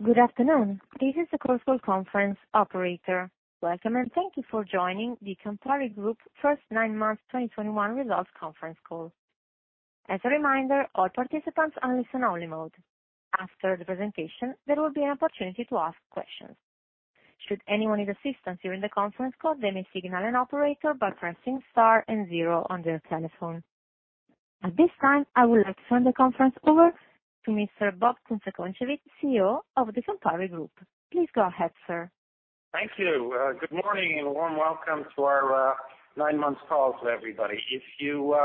Good afternoon. This is the conference call operator. Welcome, and thank you for joining the Campari Group first nine months 2021 results conference call. As a reminder, all participants are in listen only mode. After the presentation, there will be an opportunity to ask questions. Should anyone need assistance during the conference call, they may signal an operator by pressing star and zero on their telephone. At this time, I would like to turn the conference over to Mr. Bob Kunze-Concewitz, CEO of the Campari Group. Please go ahead, sir. Thank you. Good morning and warm Welcome to our Nine months call to everybody. If you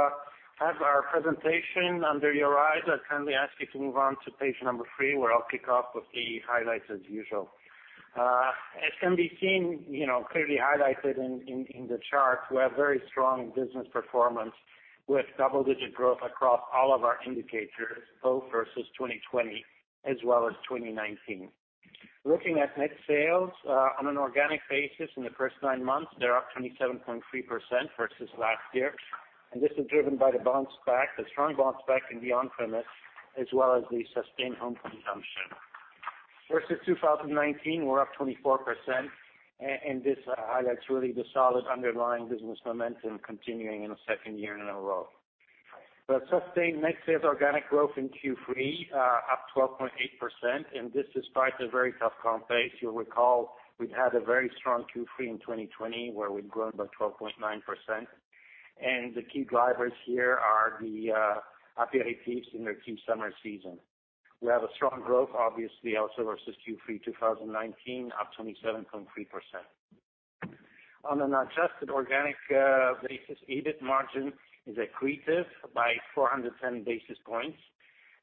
have our presentation under your eyes, I kindly ask you to move on to page three, where I'll kick off with the highlights as usual. As can be seen, you know, clearly highlighted in the chart, we have very strong business performance with double-digit growth across all of our indicators, both versus 2020 as well as 2019. Looking at net sales, on an organic basis in the first nine months, they're up 27.3% versus last year, and this is driven by the bounce back, the strong bounce back in the on-premise, as well as the sustained home consumption. Versus 2019, we're up 24% and this highlights really the solid underlying business momentum continuing in the second year in a row. The sustained net sales organic growth in Q3 up 12.8%, and this despite a very tough comp base. You'll recall we've had a very strong Q3 in 2020 where we'd grown by 12.9%. The key drivers here are the Aperol in the key summer season. We have a strong growth, obviously also versus Q3 2019, up 27.3%. On an adjusted organic basis, EBIT margin is accretive by 410 basis points,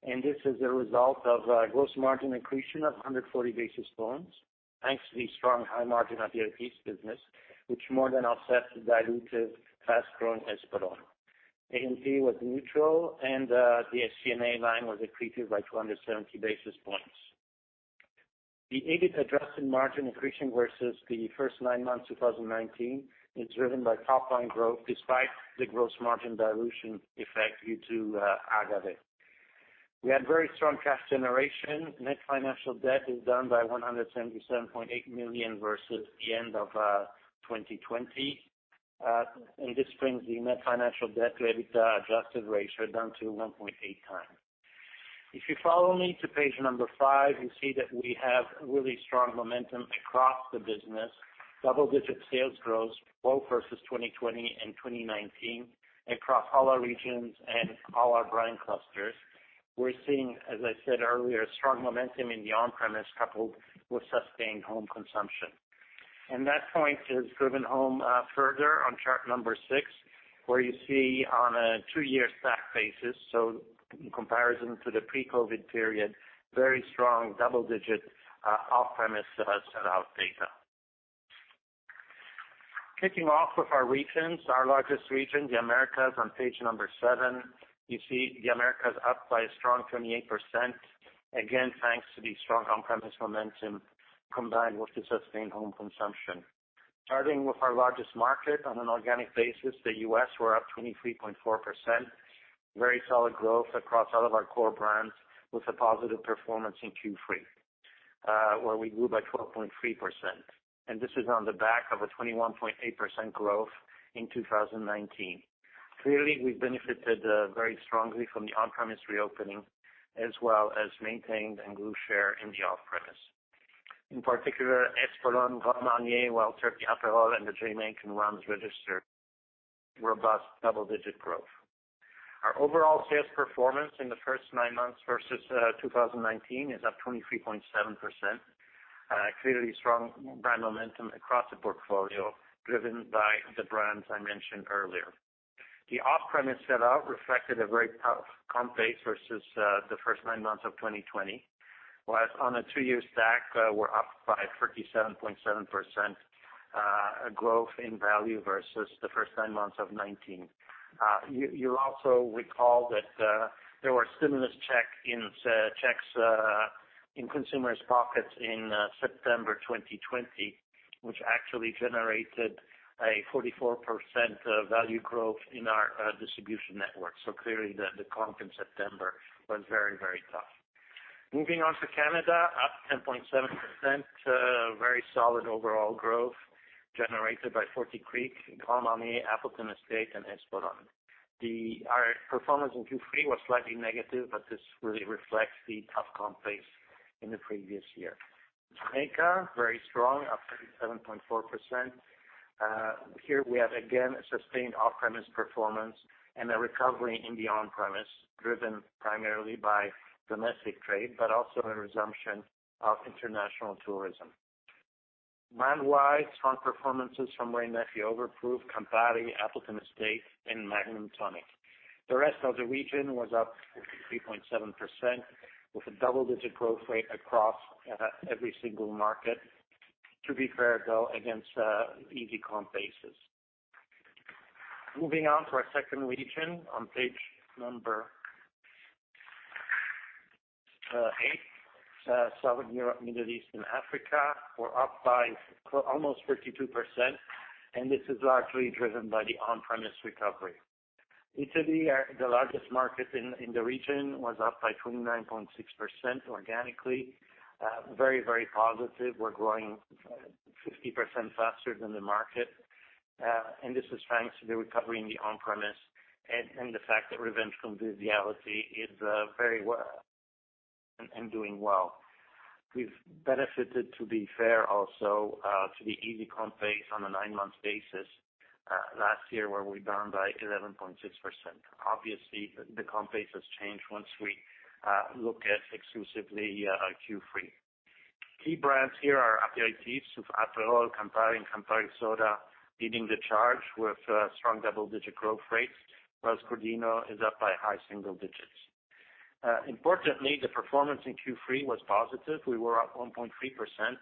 and this is a result of a gross margin accretion of 140 basis points, thanks to the strong high margin of the AP business, which more than offsets the dilutive fast-growing Espolòn. AMP was neutral and the SG&A line was accretive by 270 basis points. The EBITDA, SG&A margin accretion versus the first nine months of 2019 is driven by top line growth despite the gross margin dilution effect due to agave. We had very strong cash generation. Net financial debt is down by 177.8 million versus the end of 2020, and this brings the net financial debt to EBITDA adjusted ratio down to 1.8x. If you follow me to page five, you see that we have really strong momentum across the business. Double-digit sales growth, both versus 2020 and 2019 across all our regions and all our brand clusters. We're seeing, as I said earlier, strong momentum in the on-premise coupled with sustained home consumption. That point is driven home, further on chart six, where you see on a two-year stack basis, so in comparison to the pre-COVID period, very strong double-digit, off-premise sellout data. Kicking off with our regions, our largest region, the Americas on page seven. You see the Americas up by a strong 28%, again, thanks to the strong on-premise momentum combined with the sustained home consumption. Starting with our largest market on an organic basis, the U.S. we're up 23.4%. Very solid growth across all of our core brands with a positive performance in Q3, where we grew by 12.3%. This is on the back of a 21.8% growth in 2019. Clearly, we benefited very strongly from the on-premise reopening as well as maintained and grew share in the off-premise. In particular, Espolòn, Grand Marnier, Wild Turkey, Aperol, and the Jim Beam brands registered robust double-digit growth. Our overall sales performance in the first nine months versus 2019 is up 23.7%. Clearly strong brand momentum across the portfolio, driven by the brands I mentioned earlier. The off-premise sellout reflected a very tough comp base versus the first nine months of 2020. Whereas on a two-year stack, we're up by 37.7% growth in value versus the first nine months of 2019. You'll also recall that there were stimulus checks in consumers' pockets in September 2020, which actually generated a 44% value growth in our distribution network. Clearly the comp in September was very tough. Moving on to Canada, up 10.7%. Very solid overall growth generated by Forty Creek, Grand Marnier, Appleton Estate, and Espolòn. Our performance in Q3 was slightly negative, but this really reflects the tough comp base in the previous year. Jamaica, very strong, up 37.4%. Here we have again a sustained off-premise performance and a recovery in the on-premise, driven primarily by domestic trade, but also a resumption of international tourism. Brand-wide, strong performances from Wray & Nephew Overproof, Campari, Appleton Estate, and Magnum Tonic. The rest of the region was up 43.7% with a double-digit growth rate across every single market, to be fair, though, against an easy comp basis. Moving on to our second region on page eight, Southern Europe, Middle East, and Africa, we're up by almost 52%, and this is largely driven by the on-premise recovery. Italy, our largest market in the region, was up by 29.6% organically. Very, very positive. We're growing 50% faster than the market. This is thanks to the recovery in the on-premise and the fact that revenge conviviality is very well and doing well. We've benefited, to be fair, also from the easy comp base on a nine-month basis. Last year we were down by 11.6%. Obviously, the comp base has changed once we look at Q3 exclusively. Key brands here are aperitifs with Aperol, Campari, and Campari Soda leading the charge with strong double-digit growth rates, while Crodino is up by high single digits. Importantly, the performance in Q3 was positive. We were up 1.3%.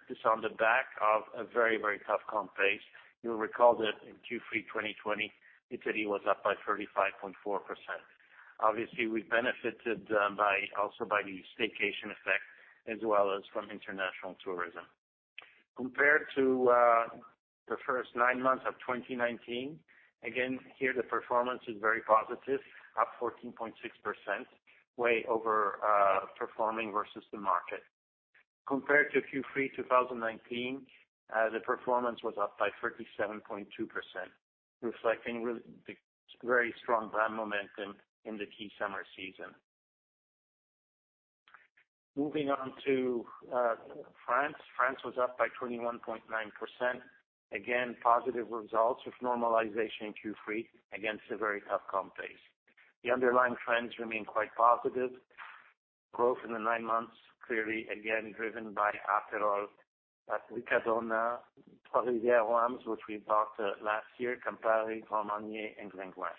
This on the back of a very tough comp base. You'll recall that in Q3 2020, Italy was up by 35.4%. Obviously, we benefited by the staycation effect as well as from international tourism. Compared to the first nine months of 2019, again, here the performance is very positive, up 14.6%, way overperforming versus the market. Compared to Q3 2019, the performance was up by 37.2%, reflecting really the very strong brand momentum in the key summer season. Moving on to France. France was up by 21.9%. Again, positive results with normalization in Q3 against a very tough comp base. The underlying trends remain quite positive. Growth in the nine months clearly again driven by Aperol, Riccadonna, Trois Rivières Rhums, which we bought last year, Campari, Grand Marnier, and Glen Grant.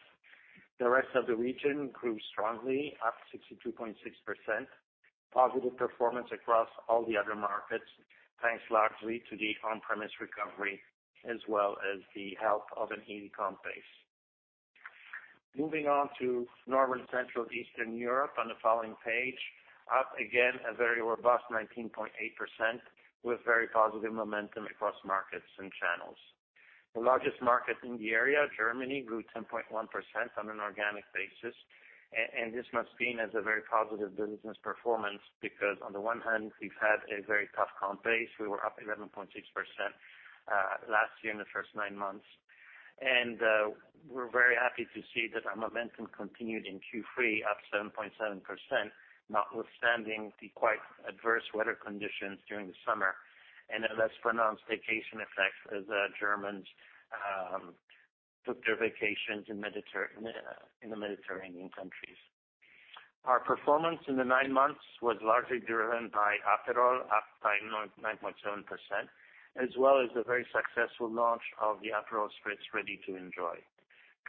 The rest of the region grew strongly, up 62.6%. Positive performance across all the other markets, thanks largely to the on-premise recovery as well as the help of an easy comp base. Moving on to Northern Central Eastern Europe on the following page. Up again, a very robust 19.8% with very positive momentum across markets and channels. The largest market in the area, Germany, grew 10.1% on an organic basis. This must be seen as a very positive business performance because on the one hand, we've had a very tough comp base. We were up 11.6% last year in the first nine months. We're very happy to see that our momentum continued in Q3, up 7.7%, notwithstanding the quite adverse weather conditions during the summer and a less pronounced staycation effect as Germans took their vacations in the Mediterranean countries. Our performance in the nine months was largely driven by Aperol, up by 9.7%, as well as the very successful launch of the Aperol Spritz Ready to Serve.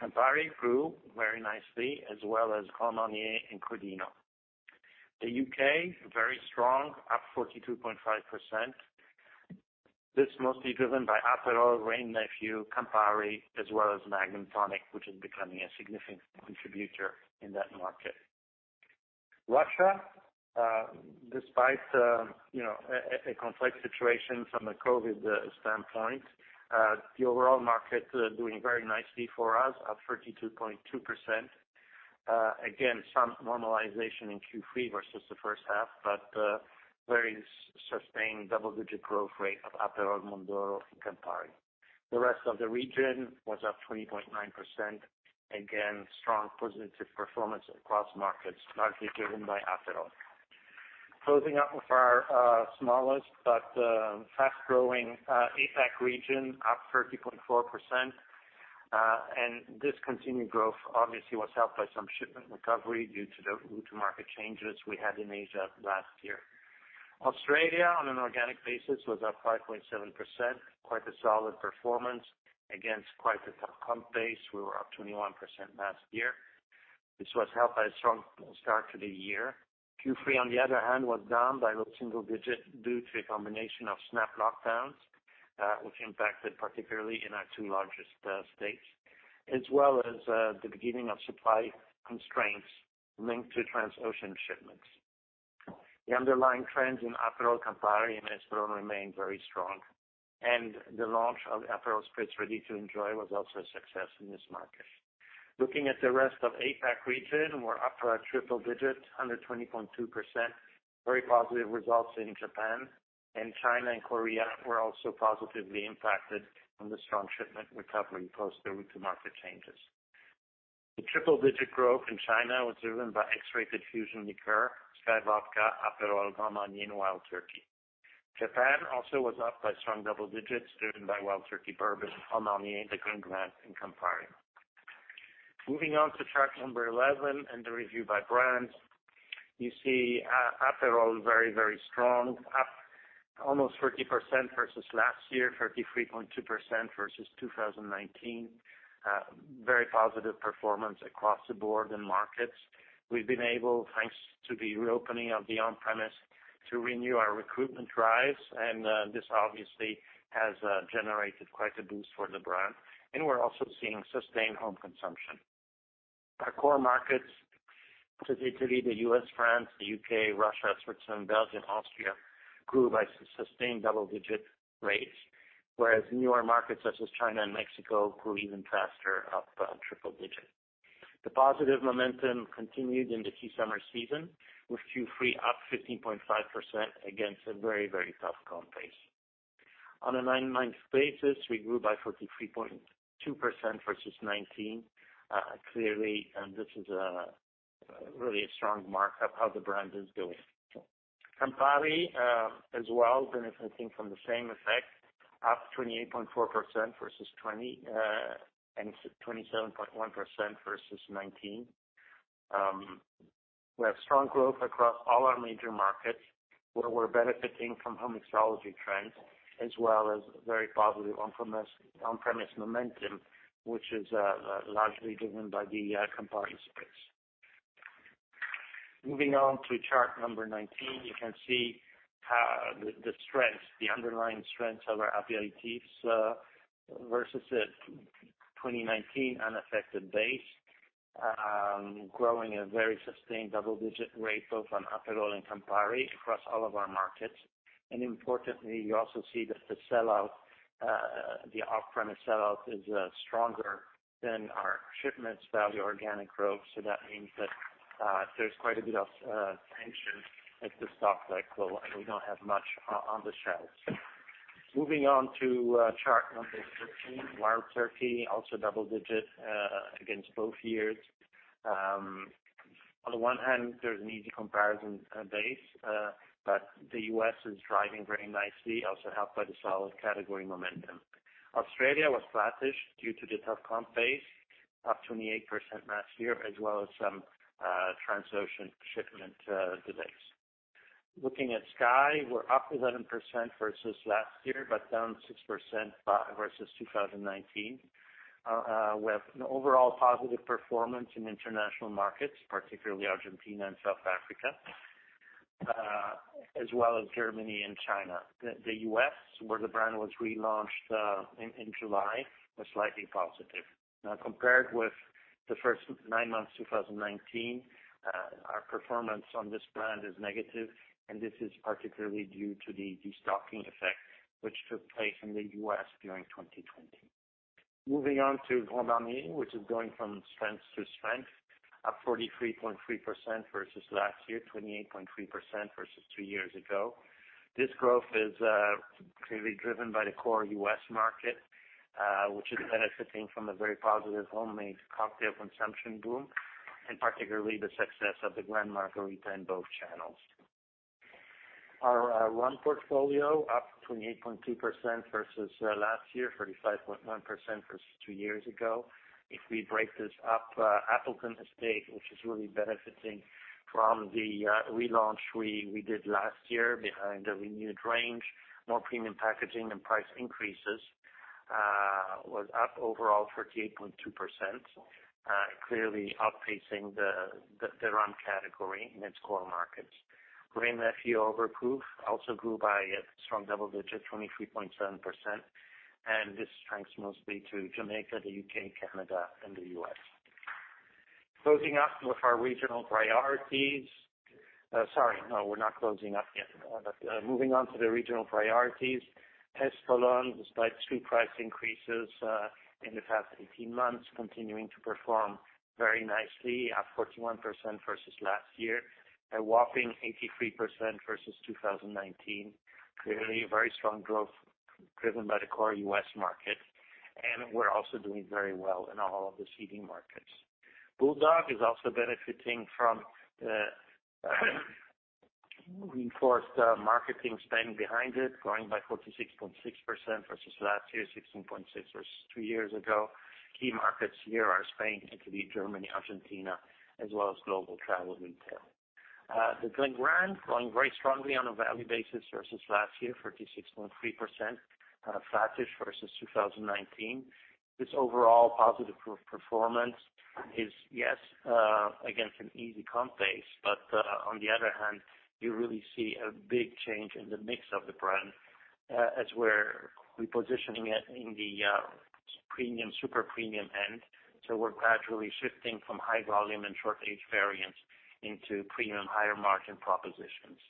Campari grew very nicely as well as Grand Marnier and Crodino. The U.K., very strong, up 42.5%. This mostly driven by Aperol, Wray & Nephew, Campari, as well as Magnum Tonic Wine, which is becoming a significant contributor in that market. Russia, despite, you know, a complex situation from a COVID standpoint, the overall market doing very nicely for us, up 32.2%. Again, some normalization in Q3 versus the first half, but very sustained double-digit growth rate of Aperol, Mondoro, and Campari. The rest of the region was up 20.9%. Again, strong positive performance across markets, largely driven by Aperol. Closing up with our smallest but fast-growing APAC region, up 30.4%. This continued growth obviously was helped by some shipment recovery due to the route to market changes we had in Asia last year. Australia, on an organic basis, was up 5.7%, quite a solid performance against quite the tough comp base. We were up 21% last year. This was helped by a strong start to the year. Q3, on the other hand, was down by low single-digit due to a combination of snap lockdowns, which impacted particularly in our two largest states, as well as the beginning of supply constraints linked to transocean shipments. The underlying trends in Aperol, Campari, and Crodino remained very strong, and the launch of Aperol Spritz Ready to Serve was also a success in this market. Looking at the rest of APAC region, we're up a triple-digit, 120.2%. Very positive results in Japan, and China and Korea were also positively impacted on the strong shipment recovery post the route to market changes. The triple-digit growth in China was driven by X-Rated Fusion Liqueur, SKYY Vodka, Aperol, Grand Marnier, and Wild Turkey. Japan also was up by strong double digits driven by Wild Turkey Bourbon, Grand Marnier, the Glen Grant, and Campari. Moving on to chart 11 and the review by brands. You see Aperol very, very strong, up almost 30% versus last year, 33.2% versus 2019. Very positive performance across the board and markets. We've been able, thanks to the reopening of the on-premise, to renew our recruitment drives, and this obviously has generated quite a boost for the brand, and we're also seeing sustained home consumption. Our core markets, Italy, the U.S., France, the U.K., Russia, Switzerland, Belgium, Austria grew by sustained double-digit rates, whereas newer markets such as China and Mexico grew even faster, up triple-digit. The positive momentum continued in the key summer season, with Q3 up 15.5% against a very tough comp base. On a nine-month basis, we grew by 43.2% versus 2019. Clearly, this is really a strong mark of how the brand is doing. Campari, as well benefiting from the same effect, up 28.4% versus 2020 and 27.1% versus 2019. We have strong growth across all our major markets where we're benefiting from home mixology trends as well as very positive on-premise momentum, which is largely driven by the Campari Spritz. Moving on to chart number 19, you can see the strength, the underlying strengths of our aperitifs versus a 2019 unaffected base, growing a very sustained double digit rate both on Aperol and Campari across all of our markets. Importantly, you also see that the off-premise sellout is stronger than our shipments value organic growth, so that means that there's quite a bit of tension at the stock level, and we don't have much on the shelves. Moving on to chart number 20, Wild Turkey, also double digit against both years. On the one hand, there's an easy comparison base, but the U.S. is driving very nicely, also helped by the solid category momentum. Australia was flattish due to the tough comp base, up 28% last year, as well as some transocean shipment delays. Looking at SKYY, we're up 11% versus last year, but down 6% versus 2019. With an overall positive performance in international markets, particularly Argentina and South Africa, as well as Germany and China. The U.S., where the brand was relaunched in July, was slightly positive. Now, compared with the first nine months 2019, our performance on this brand is negative, and this is particularly due to the destocking effect which took place in the U.S. during 2020. Moving on to Grand Marnier, which is going from strength to strength, up 43.3% versus last year, 28.3% versus two years ago. This growth is clearly driven by the core U.S. market, which is benefiting from a very positive homemade cocktail consumption boom, and particularly the success of the Grand Margarita in both channels. Our rum portfolio up 28.2% versus last year, 35.1% versus two years ago. If we break this up, Appleton Estate, which is really benefiting from the relaunch we did last year behind a renewed range, more premium packaging and price increases, was up overall 38.2%, clearly outpacing the rum category in its core markets. Wray & Nephew Overproof also grew by a strong double-digit, 23.7%, and this strength mostly to Jamaica, the U.K., Canada, and the U.S. We're not closing up yet. Moving on to the regional priorities, Espolòn, despite two price increases in the past 18 months, continuing to perform very nicely, up 41% versus last year, a whopping 83% versus 2019. Clearly a very strong growth driven by the core U.S. market, and we're also doing very well in all of the key markets. Bulldog is also benefiting from reinforced marketing spend behind it, growing by 46.6% versus last year, 16.6% versus two years ago. Key markets here are Spain, Italy, Germany, Argentina, as well as global travel retail. The Glen Grant growing very strongly on a value basis versus last year, 36.3%, flattish versus 2019. This overall positive performance is, yes, against an easy comp base, but on the other hand, you really see a big change in the mix of the brand as we're repositioning it in the super-premium end. We're gradually shifting from high volume and shorter age variants into premium higher margin propositions.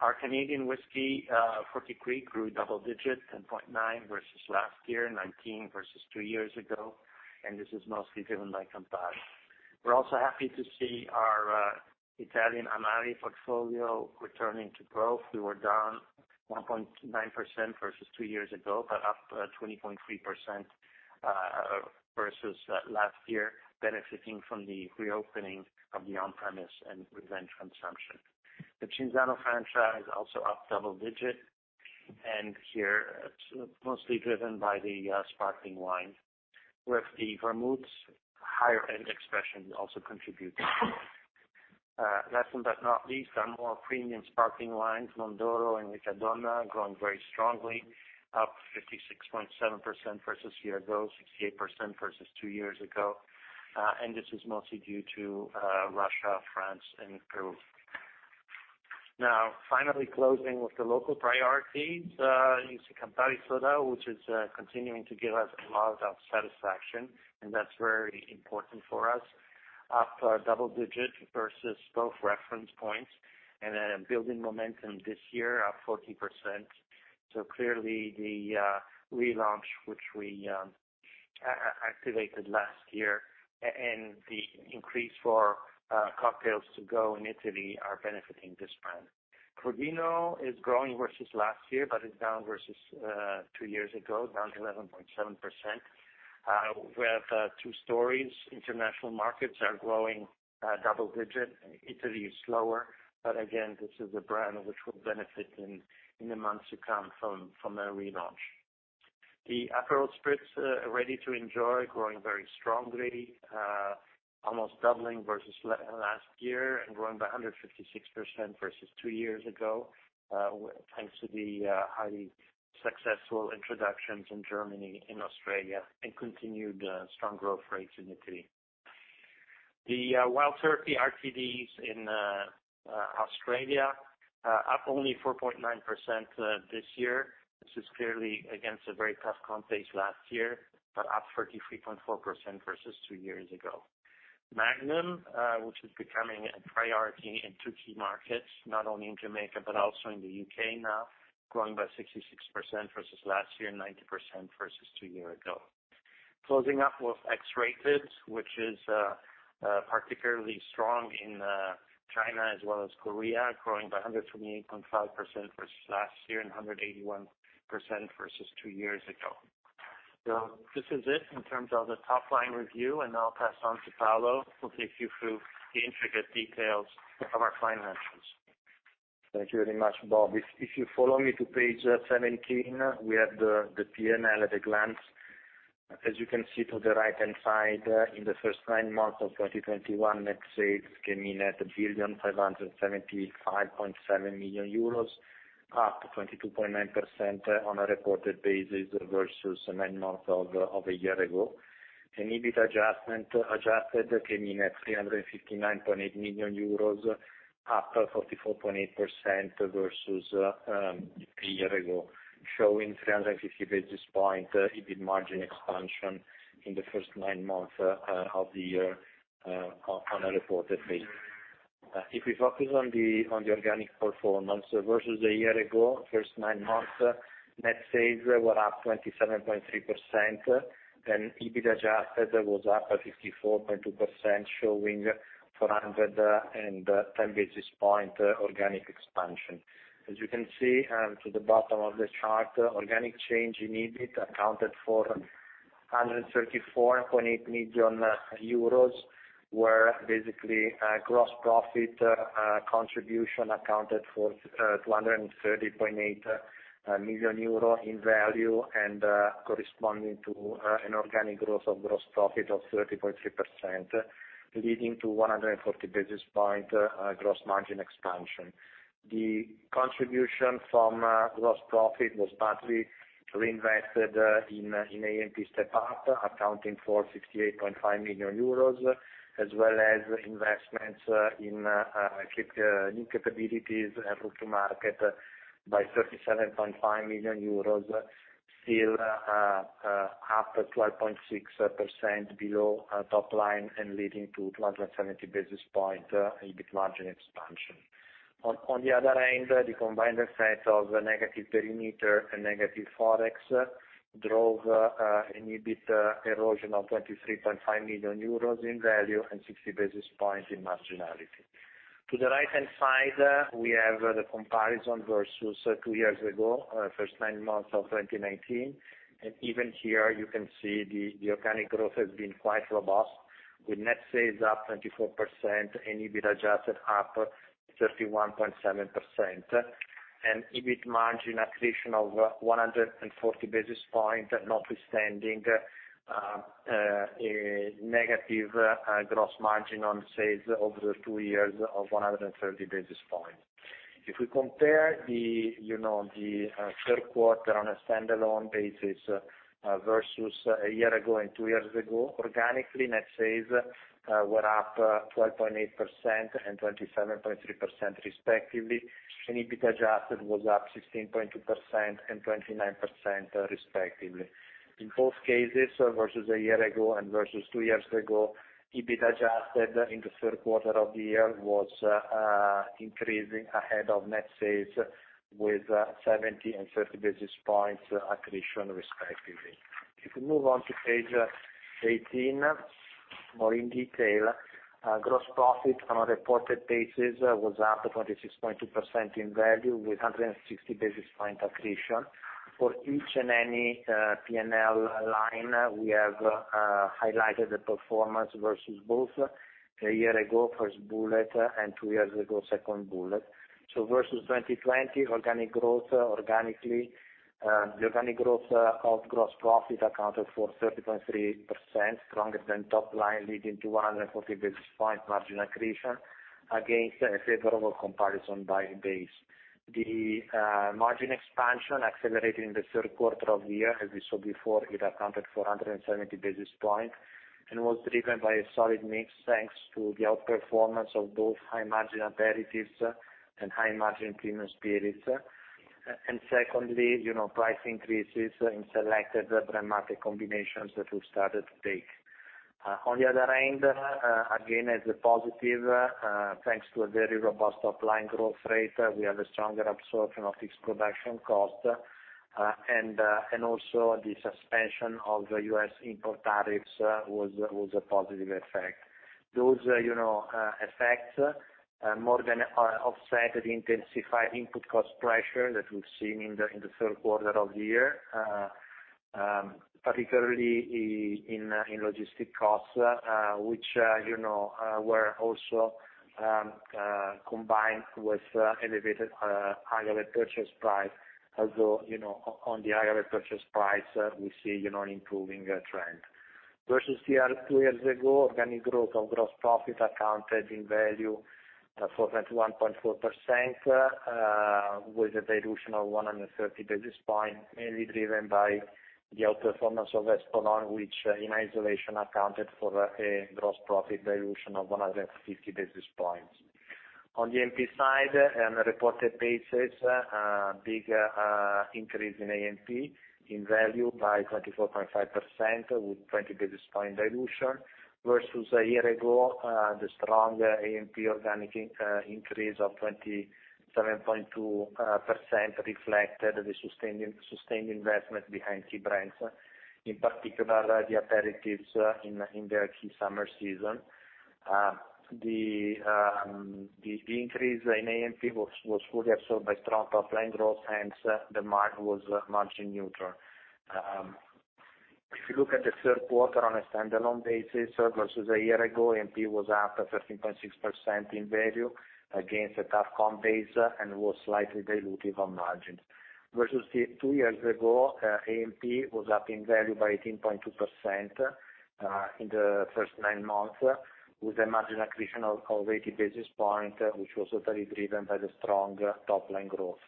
Our Canadian whiskey, Forty Creek, grew double digits, 10.9% versus last year, 19% versus two years ago, and this is mostly driven by Campari. We're also happy to see our Italian Amari portfolio returning to growth. We were down 1.9% versus two years ago, but up 20.3% versus last year, benefiting from the reopening of the on-premise and revenge consumption. The Cinzano franchise also up double digit, and here it's mostly driven by the sparkling wine, with the vermouth higher-end expression also contributing. Last but not least, our more premium sparkling wines, Mondoro and Riccadonna, growing very strongly, up 56.7% versus year ago, 68% versus two years ago. This is mostly due to Russia, France, and Peru. Now finally closing with the local priorities, you see Campari Soda, which is continuing to give us a lot of satisfaction, and that's very important for us. Up double digits versus both reference points and then building momentum this year, up 40%. Clearly the relaunch which we activated last year and the increase for cocktails to go in Italy are benefiting this brand. Crodino is growing versus last year, but is down versus two years ago, down 11.7%. We have two stories. International markets are growing double-digit. Italy is slower, but again, this is a brand which will benefit in the months to come from a relaunch. The Aperol Spritz Ready to Serve, growing very strongly, almost doubling versus last year and growing by 156% versus two years ago, thanks to the highly successful introductions in Germany and Australia, and continued strong growth rates in Italy. The Wild Turkey RTDs in Australia up only 4.9% this year, which is clearly against a very tough comp base last year, but up 33.4% versus two years ago. Magnum, which is becoming a priority in two key markets, not only in Jamaica but also in the U.K. now, growing by 66% versus last year, 90% versus two year ago. Closing up with X-Rated, which is particularly strong in China as well as Korea, growing by 128.5% versus last year, and 181% versus two years ago. This is it in terms of the top line review, and I'll pass on to Paolo, who'll take you through the intricate details of our financials. Thank you very much, Bob. If you follow me to page 17, we have the P&L at a glance. As you can see to the right-hand side, in the first nine months of 2021, net sales came in at 1,575.7 million euros, up 22.9% on a reported basis versus nine months of a year ago. Adjusted EBIT came in at 359.8 million euros, up 44.8% versus a year ago, showing 350 basis point EBIT margin expansion in the first nine months of the year on a reported basis. If we focus on the organic performance versus a year ago, first nine months, net sales were up 27.3%, and EBIT adjusted was up at 54.2%, showing 410 basis point organic expansion. As you can see, to the bottom of the chart, organic change in EBIT accounted for 134.8 million euros, where basically, gross profit contribution accounted for 230.8 million euro in value and corresponding to an organic growth of gross profit of 30.3%, leading to 140 basis point gross margin expansion. The contribution from gross profit was partly reinvested in AMP Step Up, accounting for 68.5 million euros, as well as investments in new capabilities and route to market by 37.5 million euros, still up 12.6% below top line and leading to 170 basis points EBIT margin expansion. On the other hand, the combined effect of negative perimeter and negative Forex drove an EBIT erosion of 23.5 million euros in value and 60 basis points in marginality. To the right-hand side, we have the comparison versus two years ago, first nine months of 2019. Even here you can see the organic growth has been quite robust with net sales up 24% and EBIT adjusted up 31.7%. EBIT margin accretion of 140 basis points notwithstanding, a negative gross margin on sales over the two years of 130 basis points. If we compare the, you know, the third quarter on a standalone basis, versus a year ago and two years ago, organically, net sales were up 12.8% and 27.3% respectively, and EBIT adjusted was up 16.2% and 29% respectively. In both cases, versus a year ago and versus two years ago, EBIT adjusted in the third quarter of the year was increasing ahead of net sales with 70 and 30 basis points accretion respectively. If we move on to page 18, more in detail, gross profit on a reported basis was up 26.2% in value with a 160 basis points accretion. For each and every P&L line, we have highlighted the performance versus both a year ago, first bullet, and two years ago, second bullet. Versus 2020 organic growth, organically, the organic growth of gross profit accounted for 30.3% stronger than top line, leading to 140 basis points margin accretion against a favorable comparison by base. The margin expansion accelerated in the third quarter of the year, as we saw before. It accounted for 170 basis points and was driven by a solid mix, thanks to the outperformance of both high margin aperitifs and high margin premium spirits. Secondly, you know, price increases in selected brand-market combinations that we've started to take. On the other hand, again, as a positive, thanks to a very robust top-line growth rate, we have a stronger absorption of fixed production cost, and also the suspension of U.S. import tariffs was a positive effect. Those, you know, effects more than offset the intensified input cost pressure that we've seen in the third quarter of the year, particularly in logistics costs, which, you know, were also combined with elevated higher purchase price. Although, you know, on the higher purchase price, we see, you know, an improving trend. Versus year, two years ago, organic growth of gross profit accounted in value for 31.4%, with a dilution of 130 basis points, mainly driven by the outperformance of Espolòn, which in isolation accounted for a gross profit dilution of 150 basis points. On the AMP side, on a reported basis, big increase in AMP in value by 24.5% with 20 basis point dilution versus a year ago, the strong AMP organic increase of 27.2% reflected the sustained investment behind key brands, in particular, the aperitifs, in the key summer season. The increase in AMP was fully absorbed by strong top line growth, hence the margin was neutral. If you look at the third quarter on a standalone basis versus a year ago, AMP was up 13.6% in value against a tough comp base and was slightly dilutive on margin. Versus two years ago, AMP was up in value by 18.2% in the first nine months with a margin accretion of 80 basis points, which was entirely driven by the stronger top line growth.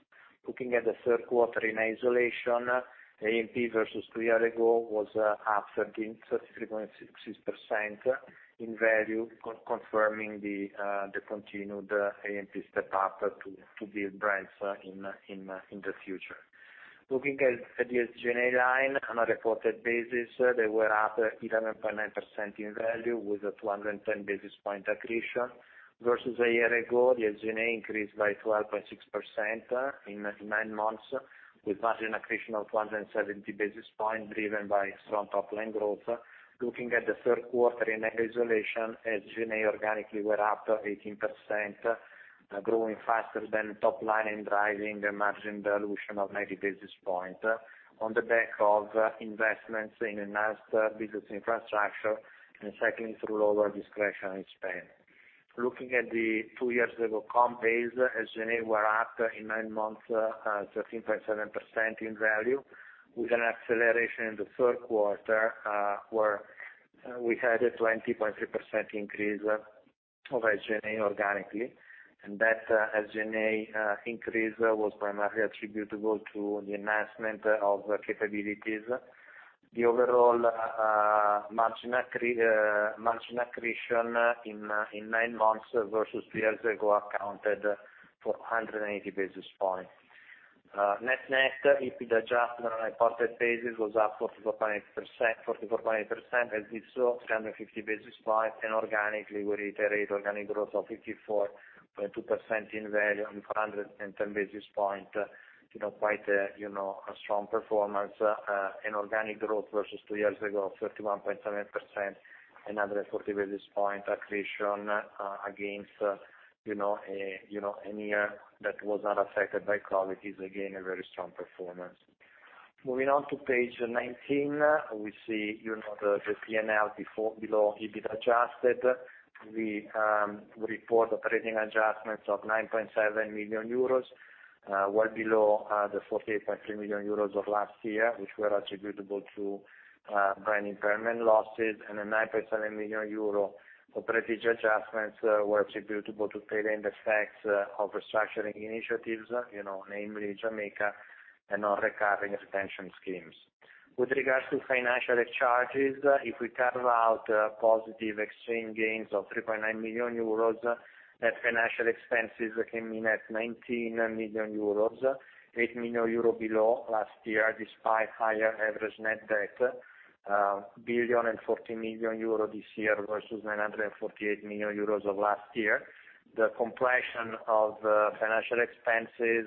Looking at the third quarter in isolation, AMP versus two years ago was up 13.6% in value confirming the continued AMP step up to build brands in the future. Looking at the SG&A line on a reported basis, they were up 11.9% in value with a 210 basis point accretion. Versus a year ago, the SG&A increased by 12.6% in nine months with margin accretion of 270 basis points driven by strong top line growth. Looking at the third quarter in isolation, SG&A organically were up 18%, growing faster than top line and driving the margin dilution of 90 basis points on the back of investments in enhanced business infrastructure and cycling through lower discretionary spend. Looking at the two years ago comp base, SG&A were up in nine months 13.7% in value with an acceleration in the third quarter, where we had a 20.3% increase of SG&A organically, and that SG&A increase was primarily attributable to the enhancement of capabilities. The overall margin accretion in nine months versus two years ago accounted for 180 basis points. Net-net, EBIT adjustment on a reported basis was up 44.8%, 44.8% as we saw, 350 basis points and organically, we reiterate organic growth of 54.2% in value on 410 basis points, you know, quite, you know, a strong performance, in organic growth versus two years ago, 31.7%, another 40 basis points accretion, against, you know, a, you know, a year that was unaffected by COVID is again, a very strong performance. Moving on to page 19, we see, you know, the P&L below EBIT adjusted. We report operating adjustments of 9.7 million euros, well below the 48.3 million euros of last year, which were attributable to brand impairment losses and a 9.7 million euro operating adjustments were attributable to tail end effects of restructuring initiatives, you know, namely Jamaica and non-recurring retention schemes. With regards to financial charges, if we carve out positive exchange gains of 3.9 million euros, net financial expenses came in at 19 million euros, 8 million euro below last year, despite higher average net debt, 1.04 billion this year versus 948 million euros of last year. The compression of financial expenses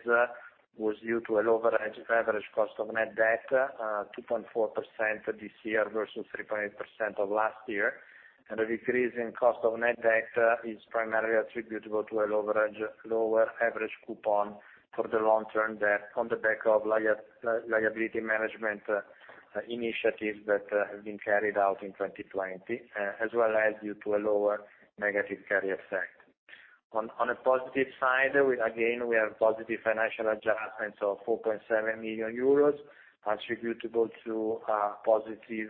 was due to a lower average cost of net debt, 2.4% this year versus 3.8% of last year. A decrease in cost of net debt is primarily attributable to a lower average coupon for the long-term debt on the back of liability management initiatives that have been carried out in 2020, as well as due to a lower negative carry effect. On a positive side, we again have positive financial adjustments of 4.7 million euros attributable to positive,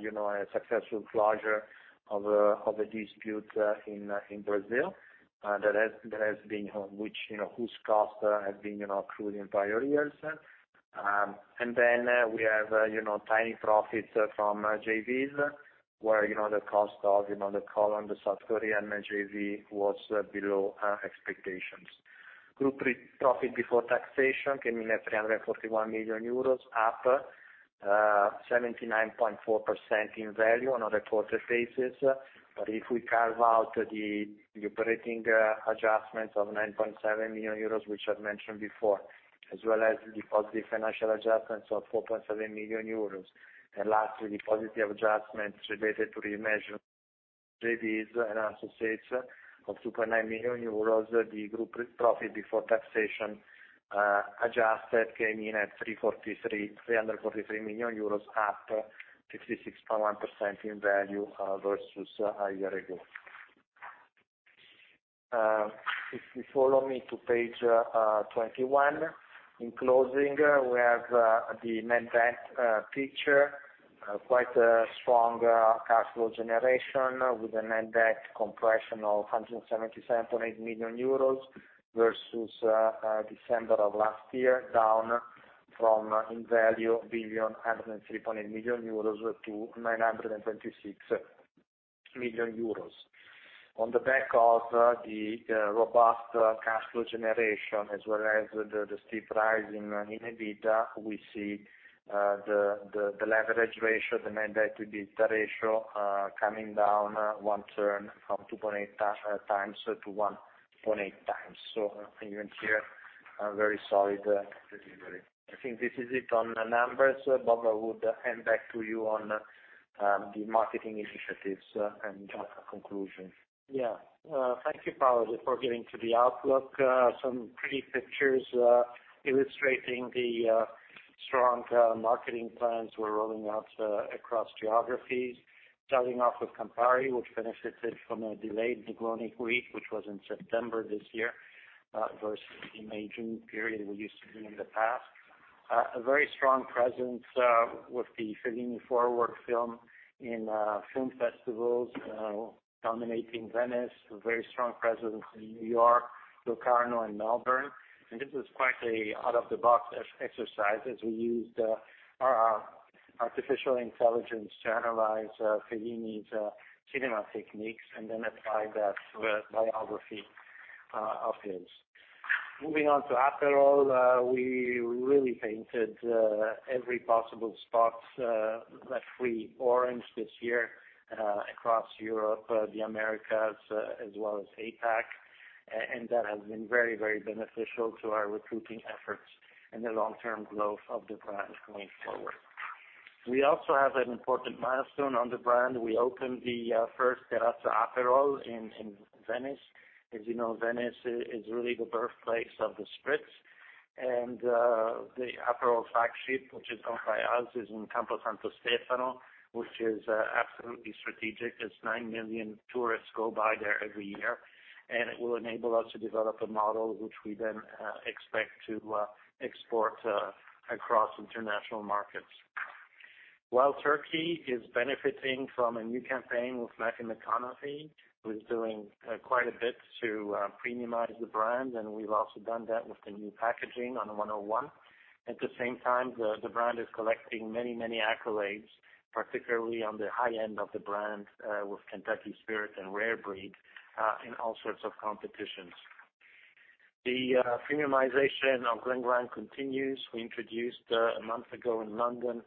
you know, a successful closure of a dispute in Brazil that has been, which, you know, whose cost has been, you know, accrued in prior years. We have, you know, tiny profits from JVs where, you know, the cost of, you know, the call on the South Korean JV was below expectations. Group profit before taxation came in at 341 million euro, up 79.4% in value on a reported basis. If we carve out the operating adjustment of 9.7 million euros, which I'd mentioned before, as well as the positive financial adjustments of 4.7 million euros, and lastly, the positive adjustments related to the measure JVs and associates of 2.9 million euros, the Group profit before taxation, adjusted, came in at 343 million euros, up 66.1% in value versus a year ago. If you follow me to page 21, in closing, we have the net debt picture quite a strong cash flow generation with a net debt compression of 177.8 million euros versus December of last year, down from 1,103,800,000 euros to 926 million euros. On the back of the robust cash flow generation as well as the steep rise in EBITDA, we see the leverage ratio, the net debt to EBITDA ratio, coming down one turn from 2.8x to 1.8x. Even here, very solid delivery. I think this is it on the numbers. Bob, I would hand back to you on the marketing initiatives and just a conclusion. Thank you, Paolo, for getting to the outlook. Some pretty pictures illustrating the strong marketing plans we're rolling out across geographies, starting off with Campari, which benefited from a delayed Negroni Week, which was in September this year versus in May, June period we used to be in the past. A very strong presence with the Fellini Forward film in film festivals dominating Venice, a very strong presence in New York, Locarno and Melbourne. This was quite a out-of-the-box exercise as we used our artificial intelligence to analyze Fellini's cinema techniques and then apply that to the biography of his. Moving on to Aperol, we really painted every possible spot the Aperol orange this year across Europe, the Americas, as well as APAC, and that has been very, very beneficial to our recruiting efforts and the long-term growth of the brand going forward. We also have an important milestone on the brand. We opened the first Terrazza Aperol in Venice. As you know, Venice is really the birthplace of the Spritz. The Aperol flagship, which is owned by us, is in Campo Santo Stefano, which is absolutely strategic, as nine million tourists go by there every year, and it will enable us to develop a model which we then expect to export across international markets. Wild Turkey is benefiting from a new campaign with Matthew McConaughey, who is doing quite a bit to premiumize the brand, and we've also done that with the new packaging on the Wild Turkey 101. At the same time, the brand is collecting many accolades, particularly on the high end of the brand, with Kentucky Spirit and Rare Breed in all sorts of competitions. The premiumization of Glen Grant continues. We introduced a month ago in London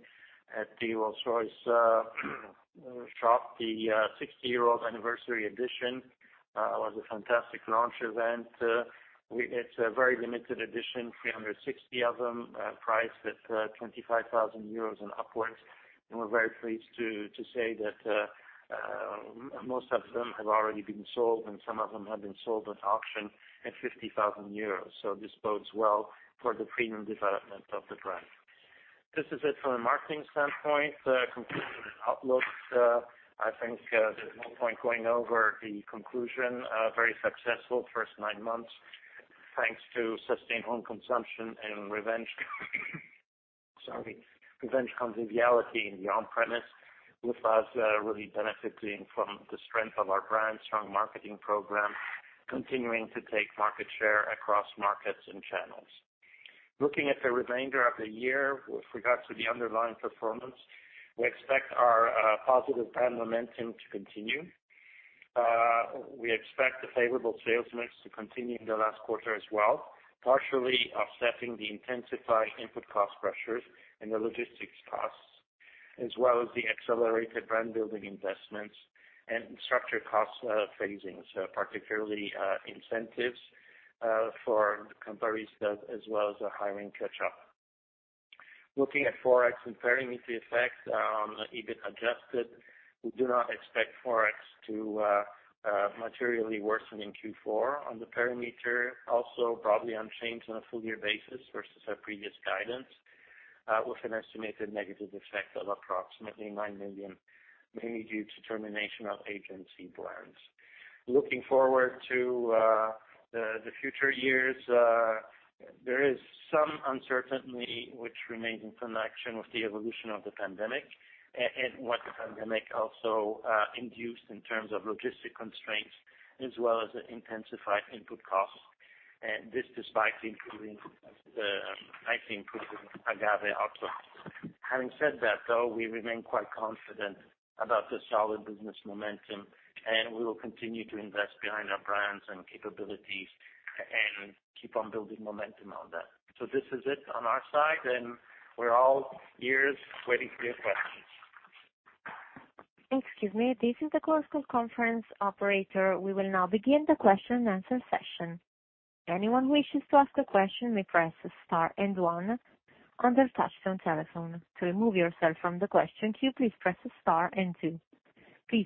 at the Rolls-Royce shop, the 60-year-old anniversary edition. It was a fantastic launch event. It's a very limited edition, 360 of them, priced at 25,000 euros and upwards. We're very pleased to say that most of them have already been sold, and some of them have been sold at auction at 50,000 euros. This bodes well for the premium development of the brand. This is it from a marketing standpoint, completed with outlook. I think there's no point going over the conclusion. Very successful first nine months, thanks to sustained home consumption and revenge conviviality in the on-premise, with us really benefiting from the strength of our brands, strong marketing program, continuing to take market share across markets and channels. Looking at the remainder of the year with regards to the underlying performance, we expect our positive brand momentum to continue. We expect the favorable sales mix to continue in the last quarter as well, partially offsetting the intensified input cost pressures and the logistics costs, as well as the accelerated brand building investments and structural costs, phasing, particularly incentives for the Campari staff as well as the hiring catch-up. Looking at Forex and perimeter effect on EBIT adjusted, we do not expect Forex to materially worsen in Q4 on the perimeter, also probably unchanged on a full year basis versus our previous guidance, with an estimated negative effect of approximately 9 million, mainly due to termination of agency blends. Looking forward to the future years, there is some uncertainty which remains in connection with the evolution of the pandemic and what the pandemic also induced in terms of logistics constraints as well as the intensified input costs. This despite increasing the, I think, including agave output. Having said that though, we remain quite confident about the solid business momentum, and we will continue to invest behind our brands and capabilities and keep on building momentum on that. This is it on our side, and we're all ears waiting for your questions. Excuse me. This is the conference operator. We will now begin the question and answer session. The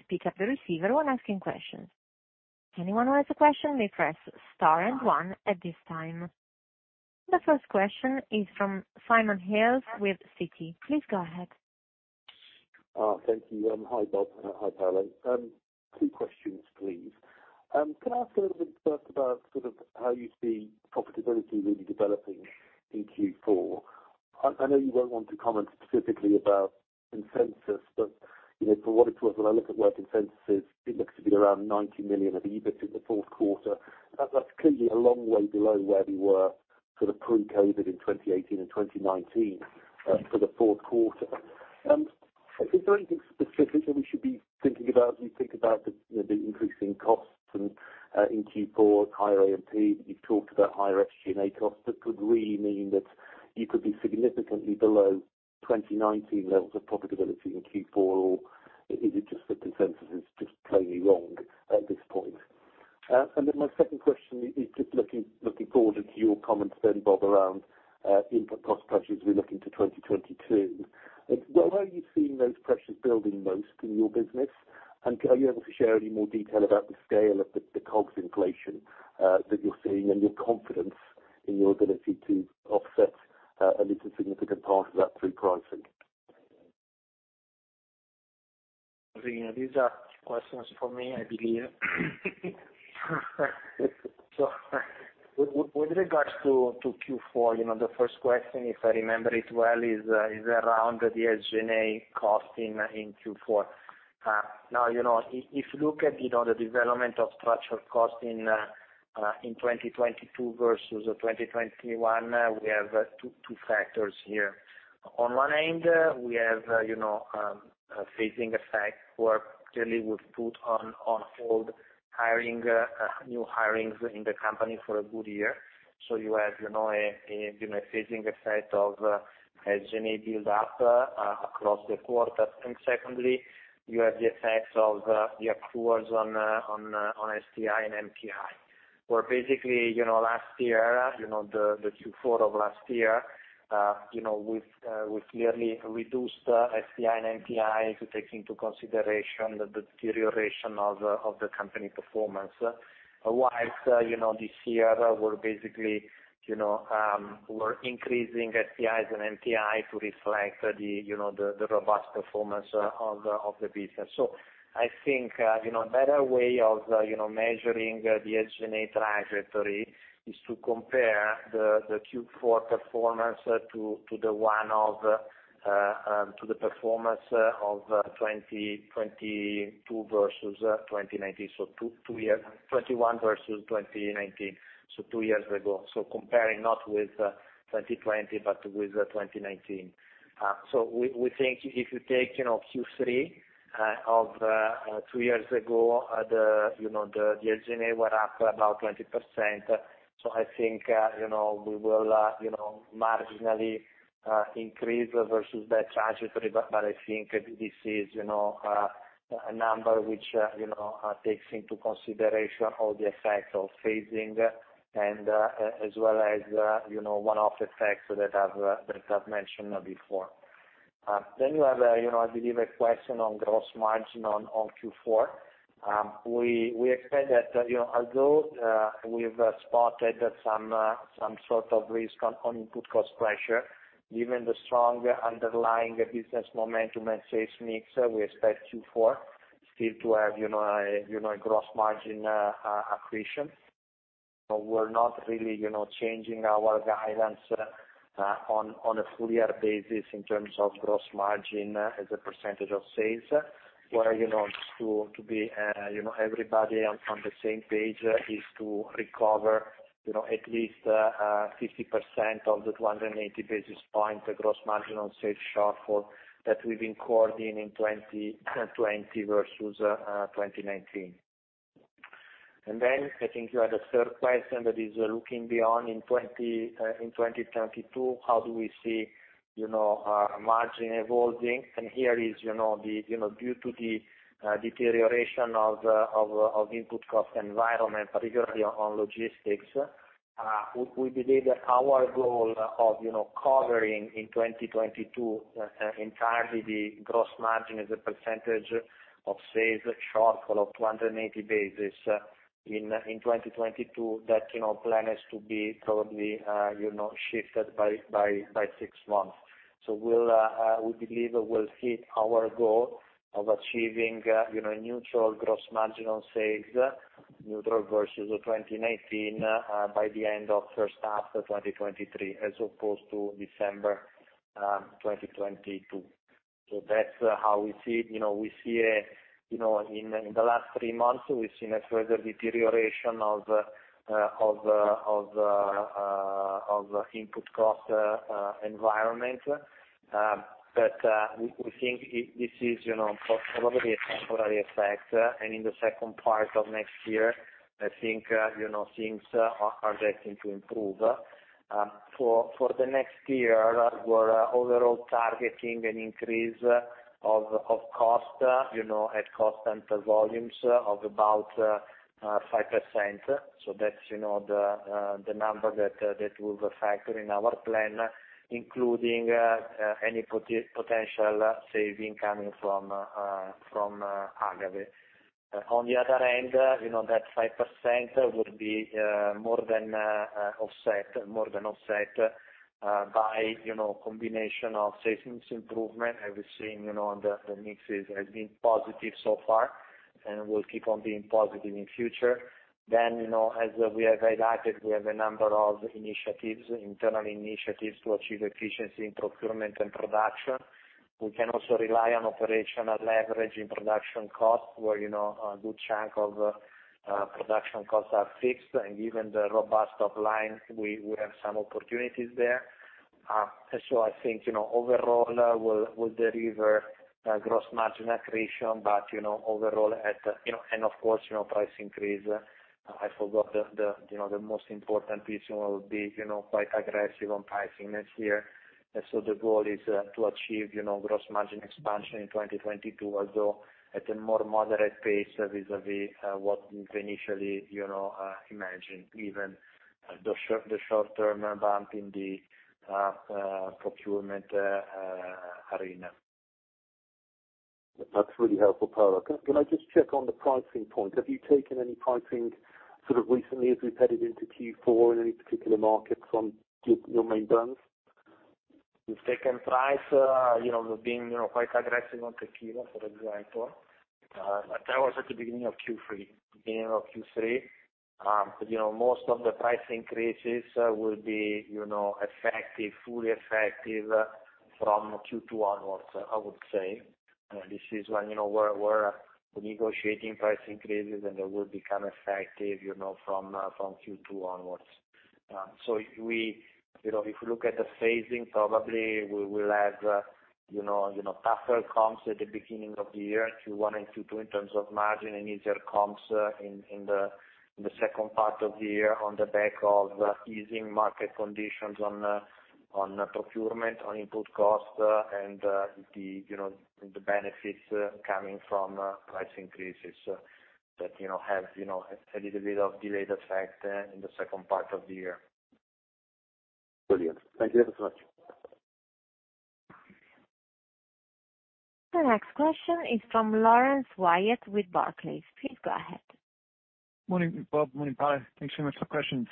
first question is from Simon Hales with Citi. Please go ahead. Thank you. Hi, Bob. Hi, Paolo. Two questions, please. Can I ask a little bit first about sort of how you see profitability really developing in Q4? I know you won't want to comment specifically about consensus, but you know, from what it was, when I look at the consensus, it looks to be around 90 million of EBIT in the fourth quarter. That's clearly a long way below where we were sort of pre-COVID in 2018 and 2019 for the fourth quarter. Is there anything specific that we should be thinking about as we think about the, you know, the increasing costs and in Q4, higher AMP? You've talked about higher SG&A costs that could really mean that you could be significantly below 2019 levels of profitability in Q4, or is it just that consensus is just plainly wrong at this point? And then my second question is just looking forward into your comments then, Bob, around input cost pressures as we look into 2022. Where are you seeing those pressures building most in your business? And are you able to share any more detail about the scale of the COGS inflation that you're seeing and your confidence in your ability to offset at least a significant part of that through pricing? These are questions for me, I believe. With regards to Q4, you know, the first question, if I remember it well, is around the SG&A cost in Q4. Now, you know, if you look at, you know, the development of structural cost in 2022 versus 2021, we have two factors here. On one end, we have, you know, a phasing effect, where clearly we've put on hold hiring new hirings in the company for a good year. You have, you know, a phasing effect of SG&A build up across the quarter. Secondly, you have the effects of the accruals on STI and LTI. We're basically you know last year you know the Q4 of last year we've clearly reduced STI and LTI to take into consideration the deterioration of the company performance. While you know this year we're basically you know we're increasing STIs and LTI to reflect the you know the robust performance of the business. So I think you know a better way of you know measuring the SG&A trajectory is to compare the Q4 performance to the performance of 2022 versus 2019. So two years 2021 versus 2019, so two years ago. So comparing not with 2020, but with 2019. We think if you take, you know, Q3 of two years ago, the SG&A were up about 20%. I think, you know, we will, you know, marginally increase versus that trajectory, but I think this is, you know, a number which, you know, takes into consideration all the effects of phasing and as well as, you know, one-off effects that I've mentioned before. You have, you know, I believe a question on gross margin on Q4. We expect that, you know, although we've spotted some sort of risk on input cost pressure, given the strong underlying business momentum and sales mix, we expect Q4 still to have, you know, a gross margin accretion. We're not really, you know, changing our guidance on a full year basis in terms of gross margin as a percentage of sales. Where, you know, to be, you know, everybody on the same page is to recover, you know, at least 50% of the 280 basis point gross margin on sales shortfall that we've incurred in 2020 versus 2019. Then I think you had a third question that is looking beyond in 2022, how do we see, you know, margin evolving? Due to the deterioration of input cost environment, particularly on logistics, we believe that our goal of covering in 2022 entirely the gross margin as a percentage of sales shortfall of 280 basis points in 2022, that plan is to be probably shifted by six months. We believe we'll hit our goal of achieving neutral gross margin on sales, neutral versus 2019, by the end of first half 2023 as opposed to December 2022. That's how we see it. You know, we see in the last three months, we've seen a further deterioration of input cost environment. We think this is you know probably a temporary effect. In the second part of next year, I think you know things are starting to improve. For the next year, we're overall targeting an increase of cost you know at constant volumes of about 5%. That's you know the number that will factor in our plan, including any potential saving coming from agave. On the other end, you know that 5% would be more than offset by you know combination of savings improvement. We're seeing you know the mixes has been positive so far and will keep on being positive in future. You know, as we have highlighted, we have a number of initiatives, internal initiatives to achieve efficiency in procurement and production. We can also rely on operational leverage in production costs, where, you know, a good chunk of production costs are fixed, and even the robust top line, we have some opportunities there. I think, you know, overall, we'll deliver gross margin accretion, but, you know, overall, and of course, you know, price increase. I forgot the, you know, the most important piece, you know, will be, you know, quite aggressive on pricing next year. The goal is, you know, to achieve gross margin expansion in 2022, although at a more moderate pace vis-à-vis what we've initially, you know, imagined, even the short term bump in the procurement arena. That's really helpful, Paolo. Can I just check on the pricing point? Have you taken any pricing sort of recently as we've headed into Q4 in any particular markets on your main brands? We've taken price, you know, being quite aggressive on tequila, for example. That was at the beginning of Q3. You know, most of the price increases will be, you know, effective, fully effective from Q2 onwards, I would say. This is when, you know, we're negotiating price increases, and they will become effective, you know, from Q2 onwards. We, you know, if you look at the phasing, probably we will have, you know, tougher comps at the beginning of the year, Q1 and Q2, in terms of margin and easier comps in the second part of the year on the back of easing market conditions on procurement, on input cost and the benefits coming from price increases that, you know, have, you know, a little bit of delayed effect in the second part of the year. Brilliant. Thank you ever so much. The next question is from Laurence Whyatt with Barclays. Please go ahead. Morning, Bob. Morning, Paolo. Thanks so much for the questions.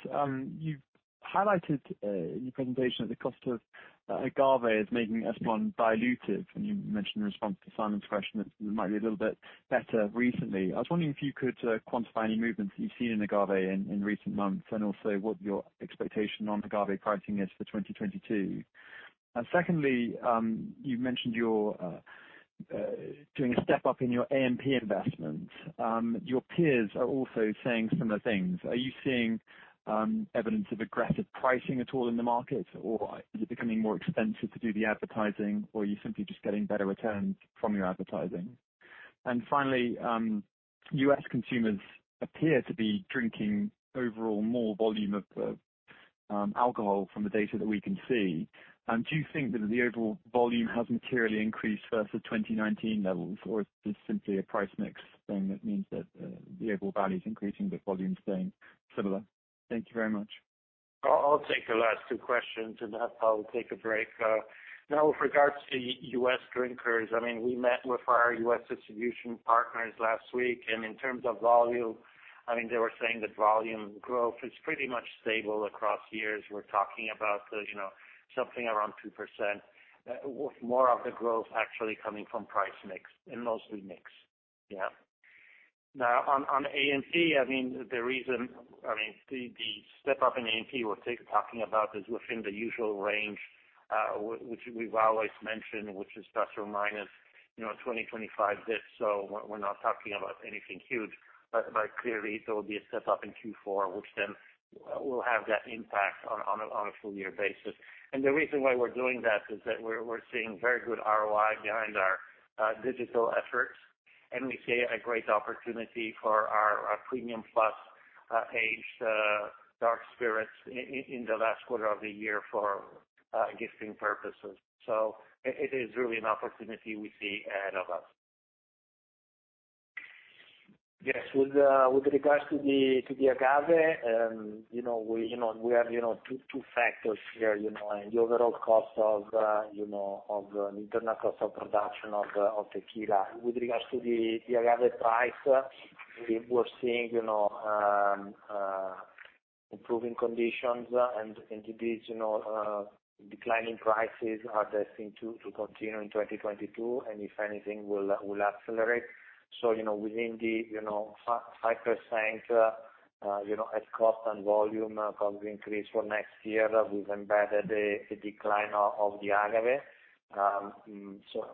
You've highlighted in your presentation that the cost of agave is making Espolòn dilutive, and you mentioned in response to Simon's question that it might be a little bit better recently. I was wondering if you could quantify any movements that you've seen in agave in recent months, and also what your expectation on agave pricing is for 2022. Secondly, you've mentioned you're doing a step up in your AMP investments. Your peers are also saying similar things. Are you seeing evidence of aggressive pricing at all in the market, or is it becoming more expensive to do the advertising, or are you simply just getting better returns from your advertising? Finally, U.S. consumers appear to be drinking overall more volume of alcohol from the data that we can see. Do you think that the overall volume has materially increased versus 2019 levels, or is this simply a price mix thing that means that the overall value is increasing, but volume is staying similar? Thank you very much. I'll take the last two questions, and then I'll take a break. Now with regards to U.S. drinkers, I mean, we met with our U.S. distribution partners last week, and in terms of volume, I mean, they were saying that volume growth is pretty much stable across years. We're talking about, you know, something around 2%, with more of the growth actually coming from price mix and mostly mix. Yeah. Now on AMP, I mean, the reason, the step up in AMP we're talking about is within the usual range, which we've always mentioned, which is plus or minus, you know, 20-25 basis points. So we're not talking about anything huge. But clearly, there will be a step up in Q4, which then will have that impact on a full year basis. The reason why we're doing that is that we're seeing very good ROI behind our digital efforts, and we see a great opportunity for our premium plus aged dark spirits in the last quarter of the year for gifting purposes. It is really an opportunity we see ahead of us. Yes. With regards to the agave, you know, we have two factors here, you know, in the overall cost of internal cost of production of tequila. With regards to the agave price, we were seeing improving conditions and the cyclical declining prices are destined to continue in 2022, and if anything will accelerate. Within the 5% as cost and volume increase for next year, we've embedded a decline of the agave.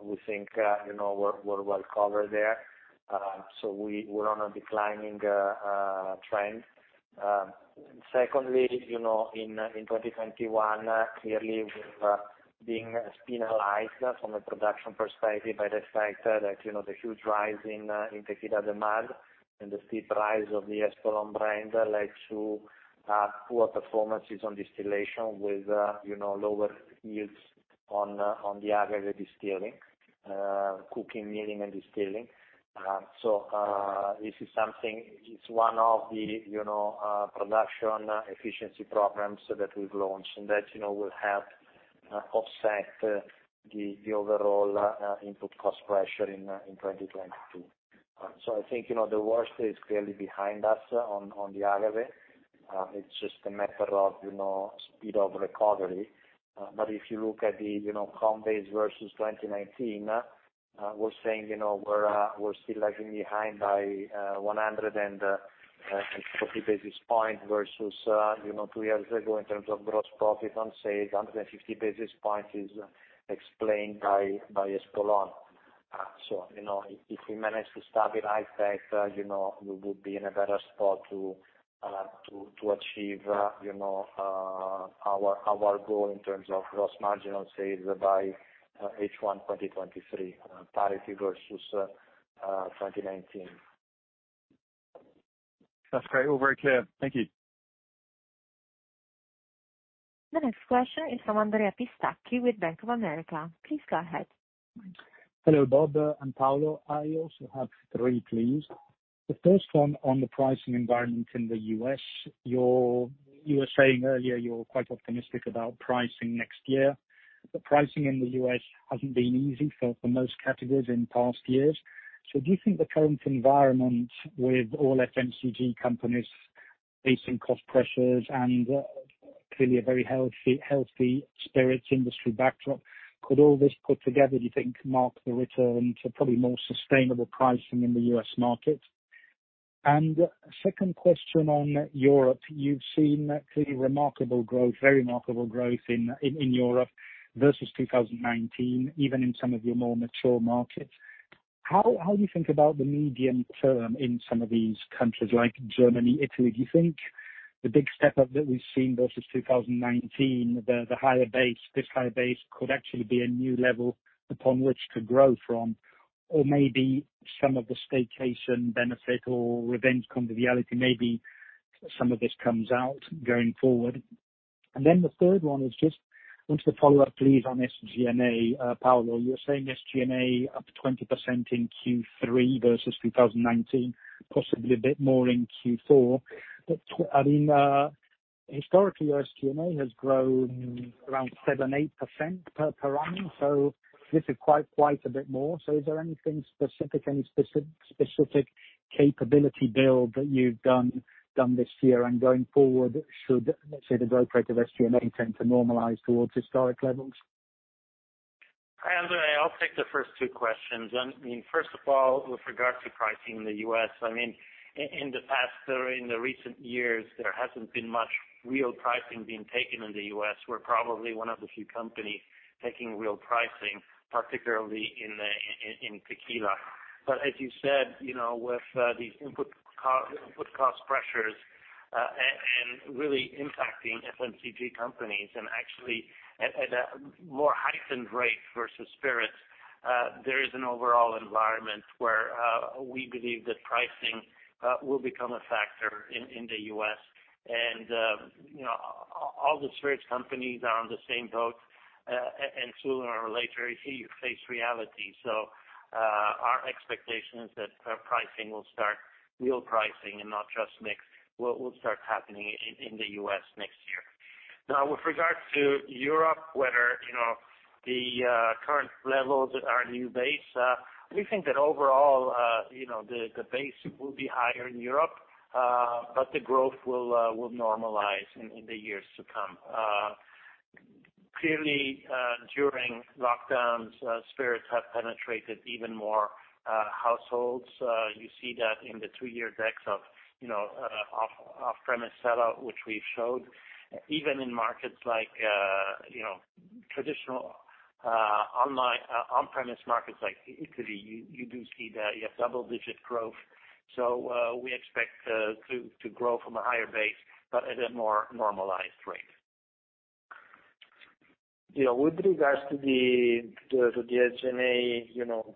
We think, you know, we're well covered there. We're on a declining trend. Secondly, you know, in 2021, clearly we're being penalized from a production perspective by the fact that, you know, the huge rise in tequila demand and the steep rise of the Espolòn brand led to poor performances on distillation with, you know, lower yields on the agave distilling, cooking, milling and distilling. This is something, it's one of the, you know, production efficiency programs that we've launched and that, you know, will help offset the overall input cost pressure in 2022. I think, you know, the worst is clearly behind us on the agave. It's just a matter of, you know, speed of recovery. If you look at the, you know, comp base versus 2019, we're saying, you know, we're still lagging behind by 140 basis points versus two years ago in terms of gross profit on sales. 150 basis points is explained by Espolòn. If we manage to stabilize that, you know, we would be in a better spot to achieve, you know, our goal in terms of gross margin on sales by H1 2023, parity versus 2019. That's great. All very clear. Thank you. The next question is from Andrea Pistacchi with Bank of America. Please go ahead. Hello, Bob and Paolo. I also have three, please. The first one on the pricing environment in the U.S. You were saying earlier you're quite optimistic about pricing next year. The pricing in the U.S. hasn't been easy for most categories in past years. Do you think the current environment with all FMCG companies facing cost pressures and clearly a very healthy spirits industry backdrop could all this put together mark the return to probably more sustainable pricing in the U.S. market? Second question on Europe. You've seen clearly remarkable growth, very remarkable growth in Europe versus 2019, even in some of your more mature markets. How do you think about the medium term in some of these countries like Germany, Italy? Do you think the big step up that we've seen versus 2019, the higher base, this higher base could actually be a new level upon which to grow from? Or maybe some of the staycation benefit or revenge conviviality, maybe some of this comes out going forward. Then the third one is I just want to follow up please on SG&A, Paolo, you're saying SG&A up 20% in Q3 versus 2019, possibly a bit more in Q4. I mean, historically, SG&A has grown around 7%-8% per annum, so this is quite a bit more. So is there anything specific, any specific capability build that you've done this year? And going forward, should, let's say, the growth rate of SG&A tend to normalize towards historic levels? Hi, Andrea. I'll take the first two questions. I mean, first of all, with regard to pricing in the U.S., I mean, in the past or in the recent years, there hasn't been much real pricing being taken in the U.S. We're probably one of the few companies taking real pricing, particularly in tequila. But as you said, you know, with these input cost pressures, and really impacting FMCG companies and actually at a more heightened rate versus spirits, there is an overall environment where we believe that pricing will become a factor in the U.S. You know, all the spirits companies are on the same boat, and sooner or later, you face reality. Our expectation is that pricing will start, real pricing and not just mix, will start happening in the U.S. next year. With regard to Europe, whether you know the current levels are a new base, we think that overall you know the base will be higher in Europe, but the growth will normalize in the years to come. Clearly, during lockdowns, spirits have penetrated even more households. You see that in the three-year decks of you know off-premise sellout, which we've showed even in markets like you know traditional on-premise markets like Italy, you do see that you have double-digit growth. We expect to grow from a higher base but at a more normalized rate. You know, with regards to the SG&A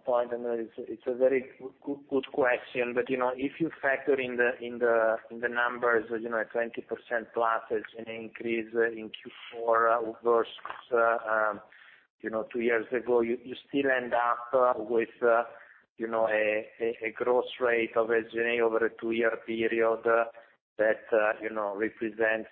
point, and it's a very good question, but you know, if you factor in the numbers, you know, a 20%+ increase in Q4 versus two years ago, you still end up with a gross rate of SG&A over a two-year period that represents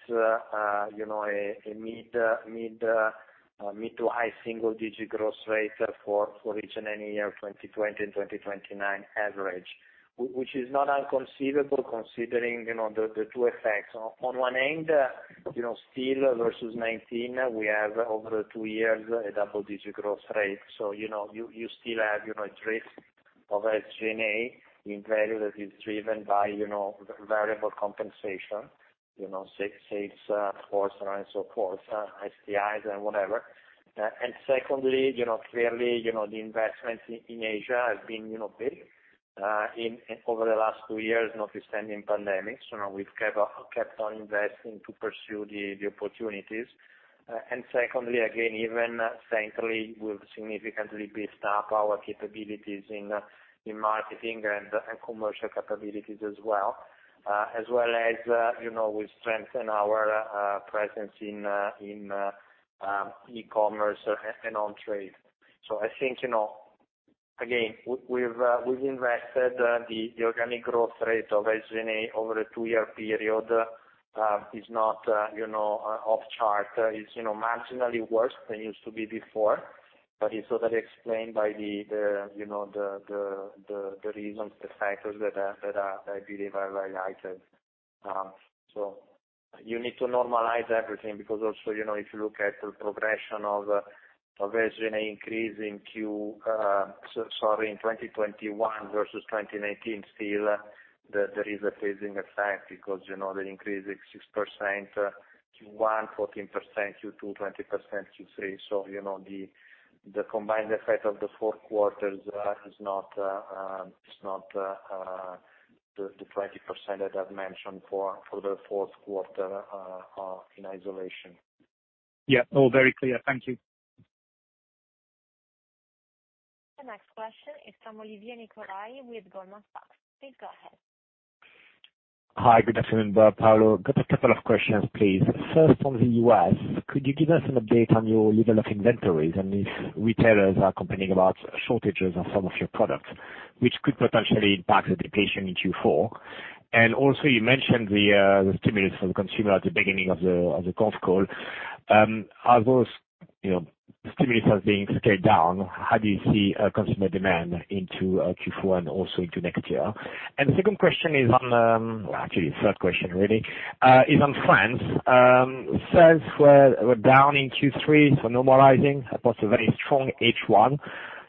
a mid- to high-single-digit gross rate for each and any year, 2020 and 2021 average, which is not inconceivable considering the two effects. On one end, you know, still versus 2019, we have over two years a double-digit gross rate. You know, you still have drift. Of SG&A in value that is driven by variable compensation, sales force and so forth, SPIs and whatever. Secondly, clearly, the investment in Asia has been big over the last two years notwithstanding pandemic. Now we've kept on investing to pursue the opportunities. Secondly, again, even thankfully, we've significantly beefed up our capabilities in marketing and commercial capabilities as well. As well as we strengthen our presence in e-commerce and on trade. I think, again, we've invested the organic growth rate of SG&A over a two-year period is not off chart. It's, you know, marginally worse than it used to be before, but it's totally explained by the reasons, the factors that I believe I've highlighted. You need to normalize everything because also, you know, if you look at the progression of SG&A increase in 2021 versus 2019, still there is a phasing effect because, you know, they're increasing 6% Q1, 14% Q2, 20% Q3. You know, the combined effect of the four quarters is not the 20% that I've mentioned for the fourth quarter in isolation. Yeah. All very clear. Thank you. The next question is from Olivier Nicolaï with Goldman Sachs. Please go ahead. Hi, good afternoon, Bob, Paolo. Got a couple of questions, please. First, on the U.S., could you give us an update on your level of inventories and if retailers are complaining about shortages on some of your products, which could potentially impact the depletion in Q4? You mentioned the stimulus for the consumer at the beginning of the conf call. Are those, you know, stimulus being scaled down, how do you see consumer demand into Q4 and also into next year? The second question is on, or actually third question really, is on France. Sales were down in Q3, so normalizing post a very strong H1.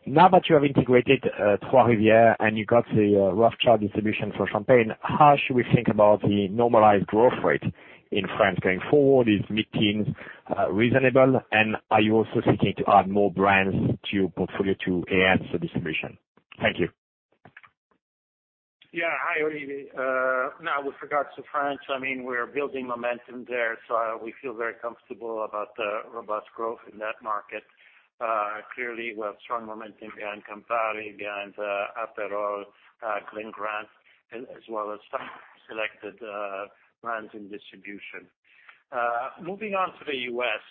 Now that you have integrated Trois Rivières and you got the Rothschild distribution for Champagne, how should we think about the normalized growth rate in France going forward? Is mid-teens reasonable? And are you also seeking to add more brands to your portfolio to enhance the distribution? Thank you. Yeah. Hi, Olivier. Now with regards to France, I mean, we're building momentum there, so we feel very comfortable about the robust growth in that market. Clearly, we have strong momentum behind Campari, behind Aperol, Glen Grant, as well as some selected brands in distribution. Moving on to the U.S.,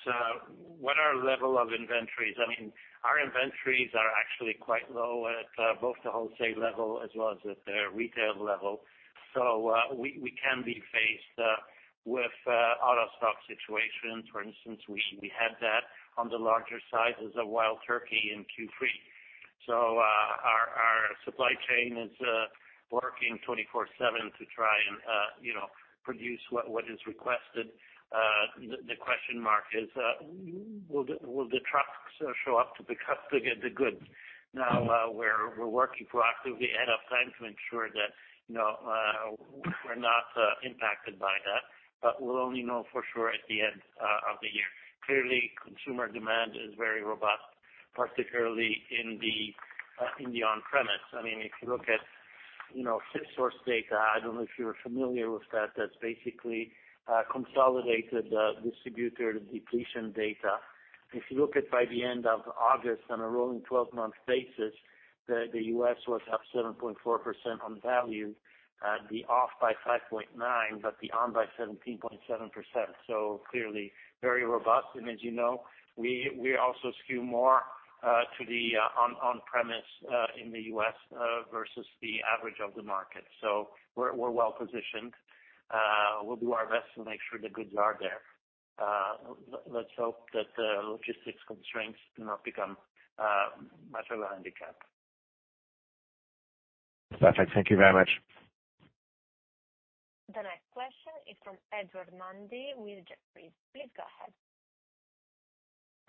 what about the level of inventories? I mean, our inventories are actually quite low at both the wholesale level as well as at the retail level. So we can be faced with out of stock situations. For instance, we had that on the larger sizes of Wild Turkey in Q3. So our supply chain is working 24/7 to try and you know, produce what is requested. The question mark is, will the trucks show up to get the goods? Now, we're working proactively ahead of time to ensure that, you know, we're not impacted by that, but we'll only know for sure at the end of the year. Clearly, consumer demand is very robust, particularly in the on-premise. I mean, if you look at, you know, SipSource data, I don't know if you're familiar with that's basically consolidated distributor depletion data. If you look at by the end of August on a rolling twelve-month basis, the U.S. was up 7.4% on value, the off-premise by 5.9%, but the on-premise by 17.7%. Clearly very robust. As you know, we also skew more to the on-premise in the U.S. versus the average of the market. We're well-positioned. We'll do our best to make sure the goods are there. Let's hope that logistics constraints do not become much of a handicap. Perfect. Thank you very much. The next question is from Edward Mundy with Jefferies. Please go ahead.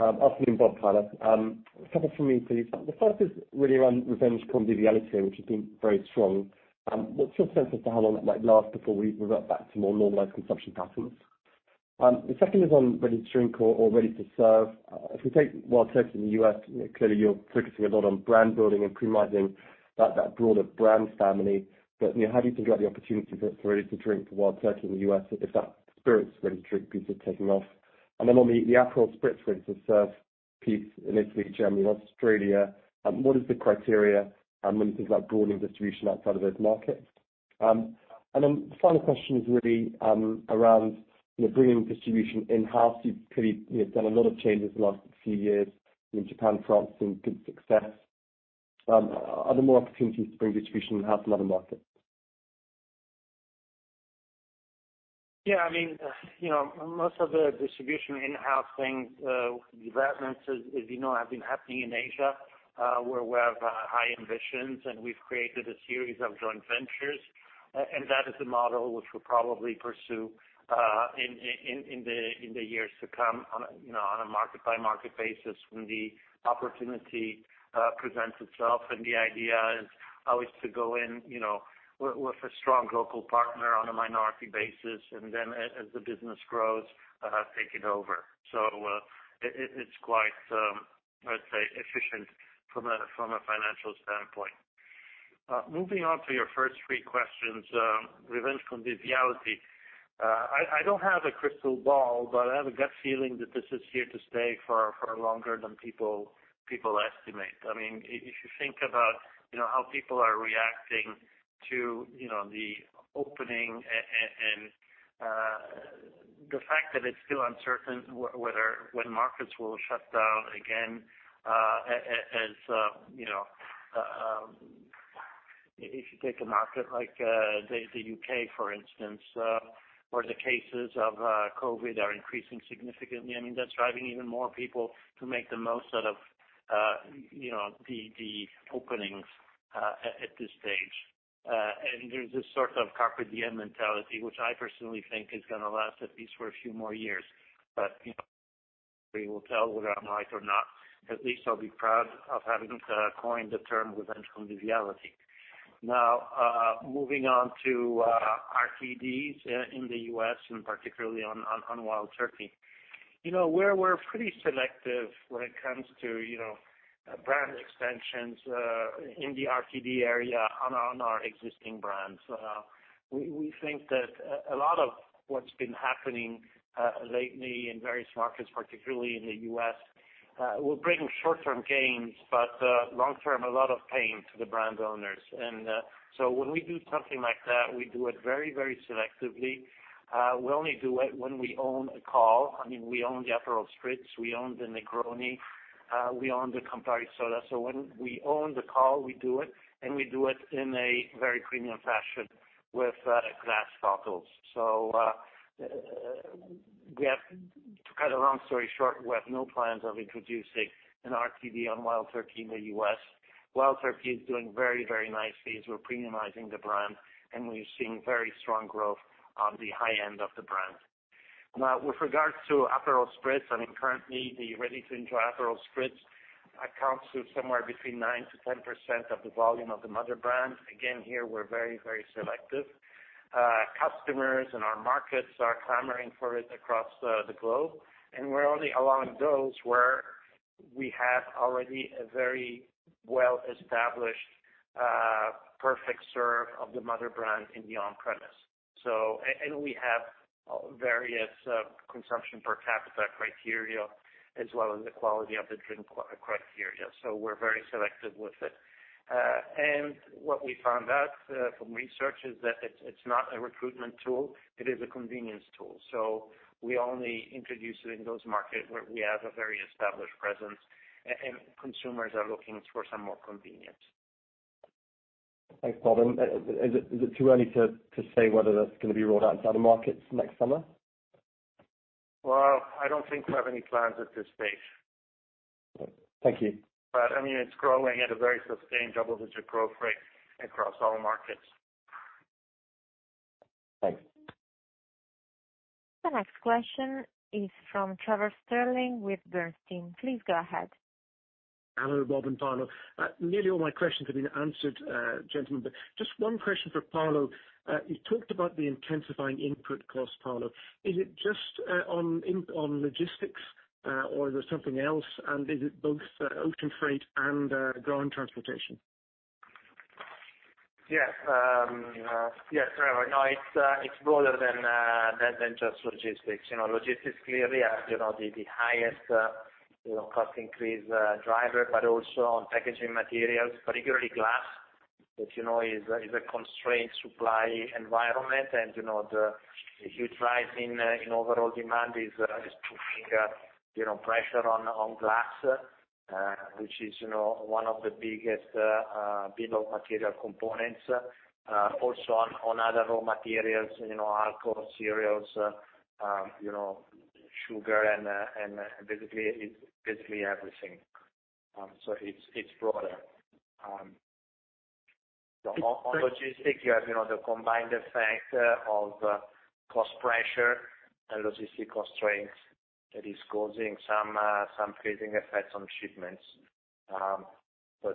Afternoon, Bob, Paolo. A couple from me, please. The first is really around revenge conviviality, which has been very strong. What's your sense as to how long that might last before we revert back to more normalized consumption patterns? The second is on ready-to-drink or ready-to-serve. If we take Wild Turkey in the U.S., you know, clearly you're focusing a lot on brand building and premiumizing that broader brand family. You know, how do you think about the opportunity for ready-to-drink for Wild Turkey in the U.S. if that spirits ready-to-drink piece is taking off? Then on the Aperol Spritz Ready-to-Serve piece in Italy, Germany, and Australia, what is the criteria when you think about broadening distribution outside of those markets? Then the final question is really around, you know, bringing distribution in-house. You've clearly, you know, done a lot of changes in the last few years in Japan, France, seeing good success. Are there more opportunities to bring distribution in-house in other markets? Yeah, I mean, you know, most of the distribution in-house things, developments, as you know, have been happening in Asia, where we have high ambitions, and we've created a series of joint ventures. That is the model which we'll probably pursue in the years to come on a, you know, on a market by market basis when the opportunity presents itself. The idea is always to go in, you know, with a strong local partner on a minority basis, and then as the business grows, take it over. It's quite, I'd say, efficient from a financial standpoint. Moving on to your first three questions, revenge conviviality. I don't have a crystal ball, but I have a gut feeling that this is here to stay for longer than people estimate. I mean, if you think about, you know, how people are reacting to, you know, the opening and the fact that it's still uncertain whether when markets will shut down again, as you know, if you take a market like the U.K., for instance, where the cases of COVID are increasing significantly, I mean, that's driving even more people to make the most out of, you know, the openings at this stage. There's this sort of carpe diem mentality, which I personally think is gonna last at least for a few more years. You know, we will tell whether I'm right or not, at least I'll be proud of having coined the term revenge conviviality. Now, moving on to RTDs in the U.S. and particularly on Wild Turkey. You know, we're pretty selective when it comes to, you know, brand extensions in the RTD area on our existing brands. We think that a lot of what's been happening lately in various markets, particularly in the U.S., will bring short-term gains, but long-term, a lot of pain to the brand owners. When we do something like that, we do it very, very selectively. We only do it when we own it all. I mean, we own the Aperol Spritz, we own the Negroni, we own the Campari Soda. When we own the call, we do it, and we do it in a very premium fashion with glass bottles. To cut a long story short, we have no plans of introducing an RTD on Wild Turkey in the U.S. Wild Turkey is doing very, very nicely as we're premiumizing the brand, and we're seeing very strong growth on the high end of the brand. Now, with regards to Aperol Spritz, I mean, currently, the Ready-to-enjoy Aperol Spritz accounts for somewhere between 9%-10% of the volume of the mother brand. Again, here, we're very, very selective. Customers in our markets are clamoring for it across the globe, and we're only allowing those where we have already a very well-established perfect serve of the mother brand in the on-premise. We have various consumption per capita criteria as well as the quality of the drink criteria. We're very selective with it. What we found out from research is that it's not a recruitment tool, it is a convenience tool. We only introduce it in those markets where we have a very established presence and consumers are looking for some more convenience. Thanks, Bob. Is it too early to say whether that's gonna be rolled out to other markets next summer? Well, I don't think we have any plans at this stage. Thank you. I mean, it's growing at a very sustained double-digit growth rate across all markets. Thanks. The next question is from Trevor Stirling with Bernstein. Please go ahead. Hello, Bob and Paolo. Nearly all my questions have been answered, gentlemen, but just one question for Paolo. You talked about the intensifying input cost, Paolo. Is it just on logistics, or is there something else? Is it both ocean freight and ground transportation? Yes, Trevor. No, it's broader than just logistics. You know, logistics clearly are the highest cost increase driver, but also on packaging materials, particularly glass, which is a constrained supply environment. The huge rise in overall demand is putting pressure on glass, which is one of the biggest bill of material components. Also on other raw materials, you know, alcohol, cereals, sugar, and basically, it's everything. It's broader. On logistics, you have the combined effect of cost pressure and logistics constraints that is causing some freezing effects on shipments. This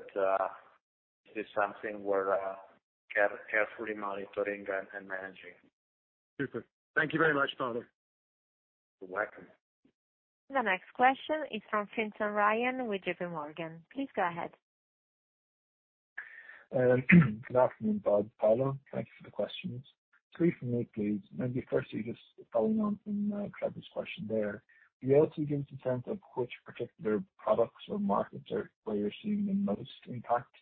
is something we're carefully monitoring and managing. Super. Thank you very much, Paolo. You're welcome. The next question is from Fintan Ryan with JPMorgan. Please go ahead. Good afternoon, Bob, Paolo. Thank you for the questions. Three for me, please. Maybe firstly, just following on from Trevor's question there. Were you able to give a sense of which particular products or markets are where you're seeing the most impact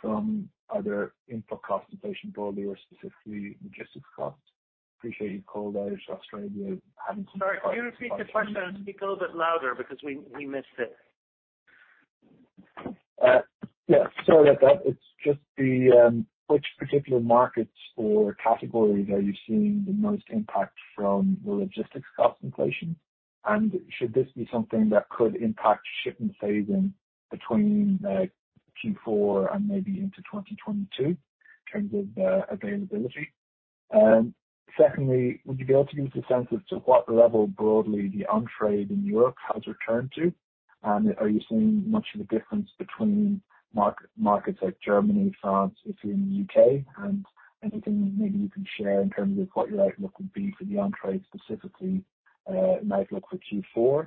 from other input cost inflation broadly or specifically logistics costs? Appreciate you called out Australia. Sorry, can you repeat the question and speak a little bit louder because we missed it. Yeah. Sorry about that. It's just the which particular markets or categories are you seeing the most impact from the logistics cost inflation? And should this be something that could impact shipment phasing between Q4 and maybe into 2022 in terms of availability? Secondly, would you be able to give us a sense as to what level broadly the on-trade in Europe has returned to? Are you seeing much of a difference between markets like Germany, France, Italy, and U.K.? Anything maybe you can share in terms of what your outlook would be for the on-trade, specifically, an outlook for Q4?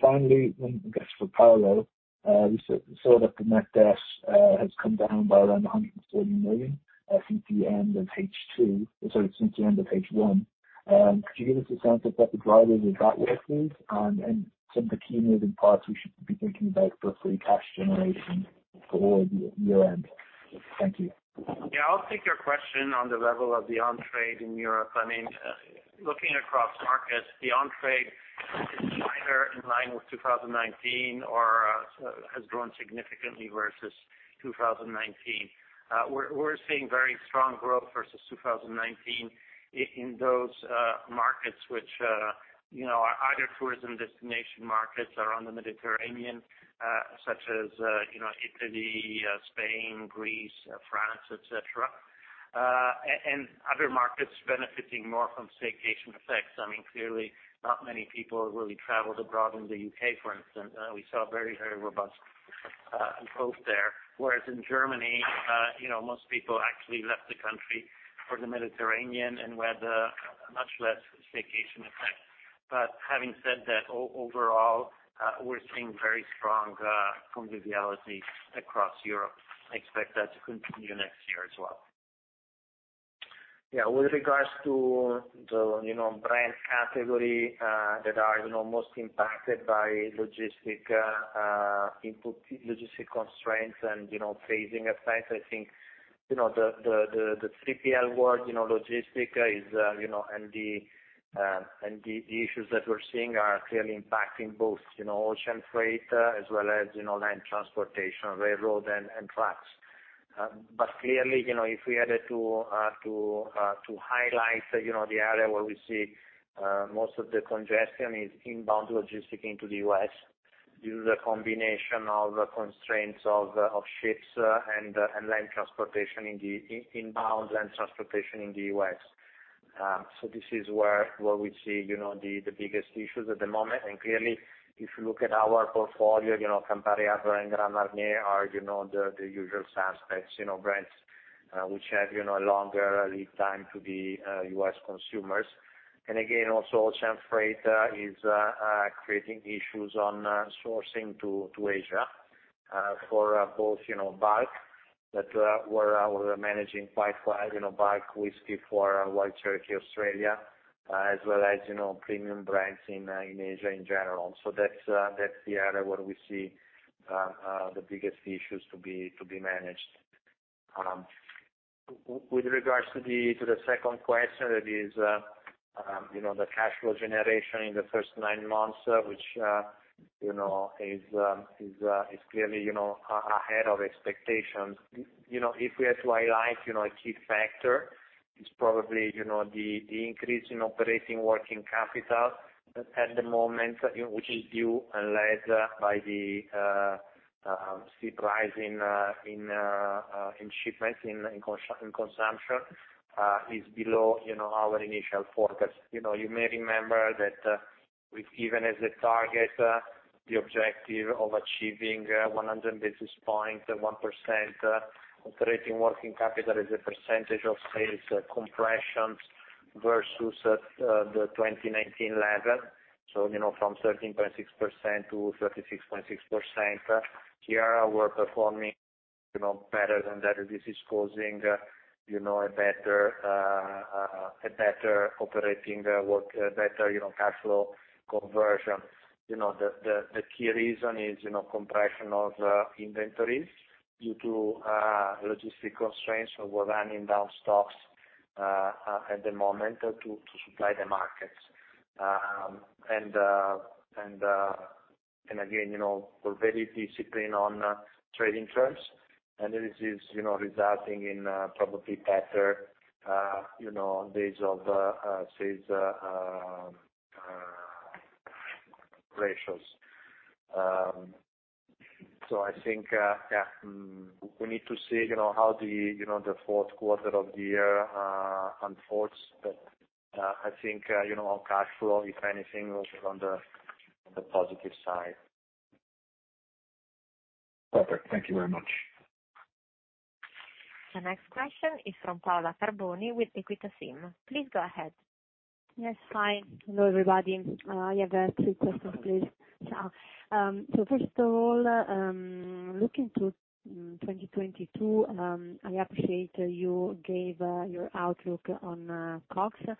Finally, I guess for Paolo, we saw that the net debt has come down by around 140 million since the end of H1. Sorry, could you give us a sense of what the drivers of that were please, and some of the key moving parts we should be thinking about for free cash generation toward the year-end? Thank you. Yeah, I'll take your question on the level of the on-trade in Europe. I mean, looking across markets, the on-trade is either in line with 2019 or has grown significantly versus 2019. We're seeing very strong growth versus 2019 in those markets which you know are either tourism destination markets around the Mediterranean such as you know Italy, Spain, Greece, France, et cetera. And other markets benefiting more from staycation effects. I mean, clearly not many people really traveled abroad in the U.K., for instance. We saw very robust growth there. Whereas in Germany you know most people actually left the country for the Mediterranean and we had a much less staycation effect. Having said that, overall we're seeing very strong conviviality across Europe. I expect that to continue next year as well. Yeah. With regards to the brand categories that are most impacted by logistics constraints and phasing effects, I think the 3PL world, logistics is and the issues that we're seeing are clearly impacting both ocean freight as well as land transportation, railroad and trucks. Clearly, if we had to highlight the area where we see most of the congestion is inbound logistics into the U.S., due to the combination of constraints of ships and inbound land transportation in the U.S. This is where we see the biggest issues at the moment. Clearly, if you look at our portfolio, you know, Campari, Aperol, and Grand Marnier are, you know, the usual suspects, you know, brands which have, you know, a longer lead time to the U.S. consumers. Again, also ocean freight is creating issues on sourcing to Asia for both, you know, bulk that we're managing quite well, you know, bulk whiskey for Wild Turkey Australia, as well as, you know, premium brands in Asia in general. So that's the area where we see the biggest issues to be managed. With regards to the second question, that is, you know, the cash flow generation in the first nine months, which, you know, is clearly, you know, ahead of expectations. You know, if we are to highlight, you know, a key factor, it's probably, you know, the increase in operating working capital at the moment, you know, which is due and led by the steep rise in shipments and consumption, is below, you know, our initial forecast. You know, you may remember that we've given as a target the objective of achieving 100 basis points, 1% operating working capital as a percentage of sales compression versus the 2019 level. You know, from 13.6% to 36.6%. Here, we're performing, you know, better than that. This is causing you know, a better cash flow conversion. You know, the key reason is, you know, compression of inventories due to logistic constraints. We're running down stocks at the moment to supply the markets. And again, you know, we're very disciplined on trading terms, and this is, you know, resulting in probably better days of sales ratios. I think we need to see, you know, how the you know, the fourth quarter of the year unfolds. I think, you know, on cash flow, if anything, we're on the positive side. Perfect. Thank you very much. The next question is from Paola Carboni with Equita SIM. Please go ahead. Yes. Hi. Hello, everybody. I have three questions, please. First of all, looking to 2022, I appreciate you gave your outlook on COGS.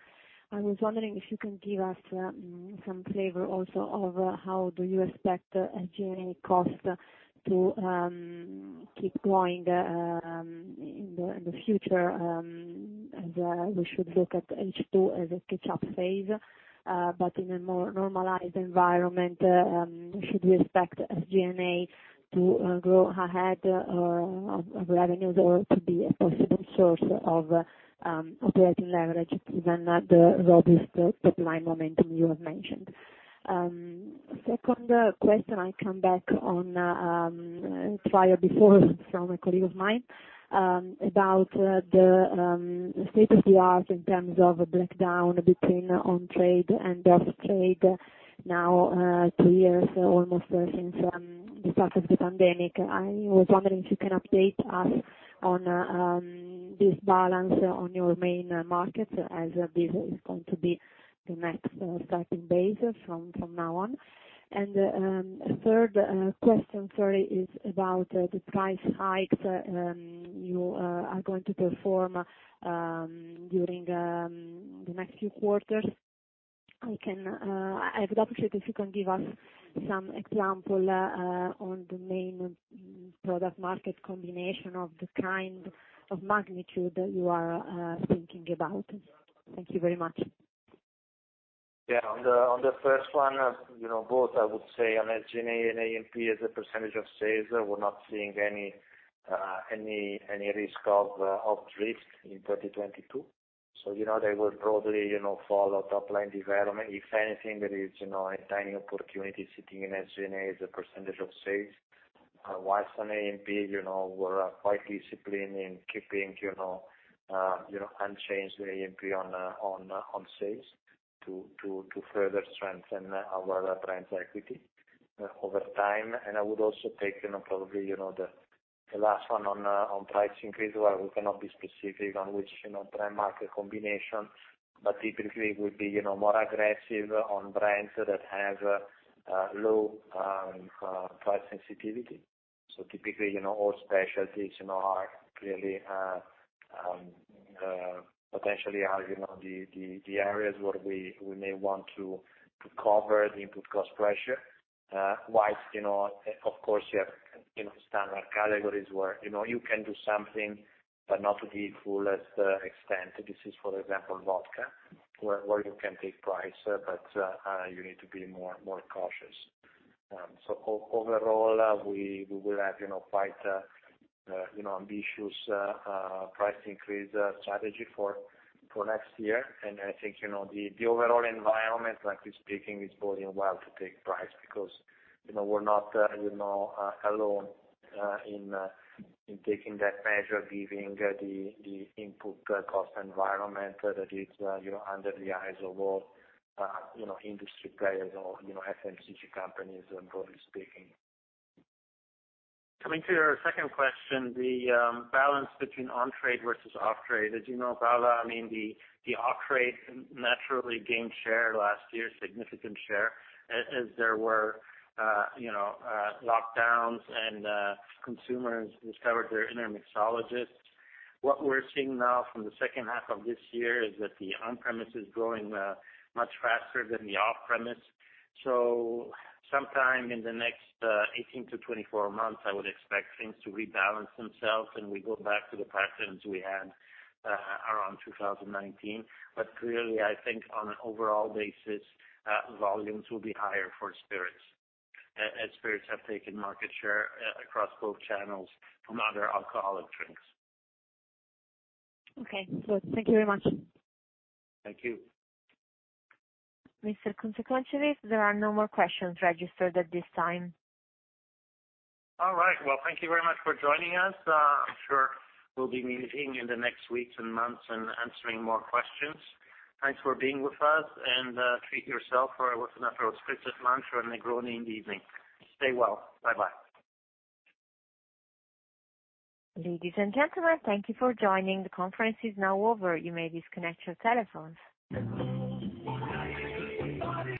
I was wondering if you can give us some flavor also of how do you expect SG&A costs to keep growing in the future, as we should look at H2 as a catch-up phase. In a more normalized environment, should we expect SG&A to grow ahead of revenues or to be a possible source of operating leverage given the robust top-line momentum you have mentioned? Second question, I come back on prior before from a colleague of mine about the state of the art in terms of breakdown between on-trade and off-trade now, two years almost since the start of the pandemic. I was wondering if you can update us on this balance on your main market as this is going to be the next starting base from now on. Third question for you is about the price hikes you are going to perform during the next few quarters. I would appreciate if you can give us some example on the main product market combination of the kind of magnitude you are thinking about. Thank you very much. Yeah. On the first one, you know, both, I would say, on SG&A and A&P, as a percentage of sales, we're not seeing any risk of drift in 2022. You know, they will broadly, you know, follow top line development. If anything, there is, you know, a tiny opportunity sitting in SG&A as a percentage of sales. Whilst on A&P, you know, we're quite disciplined in keeping, you know, unchanged A&P on sales to further strengthen our brand equity over time. I would also take, you know, probably, you know, the last one on price increase, where we cannot be specific on which brand market combination, but typically it would be more aggressive on brands that have low price sensitivity. Typically, you know, all specialties, you know, are clearly potentially the areas where we may want to cover the input cost pressure. While, you know, of course you have, you know, standard categories where, you know, you can do something but not to the fullest extent. This is, for example, vodka, where you can take price, but you need to be more cautious. Overall, we will have, you know, quite ambitious price increase strategy for next year. I think, you know, the overall environment, frankly speaking, is going well to take price because, you know, we're not, you know, alone in taking that measure, giving the input cost environment that is, you know, under the eyes of all industry players or, you know, FMCG companies broadly speaking. Coming to your second question, the balance between on-trade versus off-trade. As you know, Paola, I mean, the off-trade naturally gained share last year, significant share, as there were, you know, lockdowns and, consumers discovered their inner mixologists. What we're seeing now from the second half of this year is that the on-premise is growing, much faster than the off-premise. Sometime in the next 18-24 months, I would expect things to rebalance themselves, and we go back to the patterns we had, around 2019. Clearly, I think on an overall basis, volumes will be higher for spirits, as spirits have taken market share, across both channels from other alcoholic drinks. Okay. Good. Thank you very much. Thank you. Mr. Bob Kunze-Concewitz, there are no more questions registered at this time. All right. Well, thank you very much for joining us. I'm sure we'll be meeting in the next weeks and months and answering more questions. Thanks for being with us and treat yourself to what's an after-dinner mantra, a Negroni in the evening. Stay well. Bye-bye. Ladies and gentlemen, thank you for joining. The conference is now over. You may disconnect your telephones.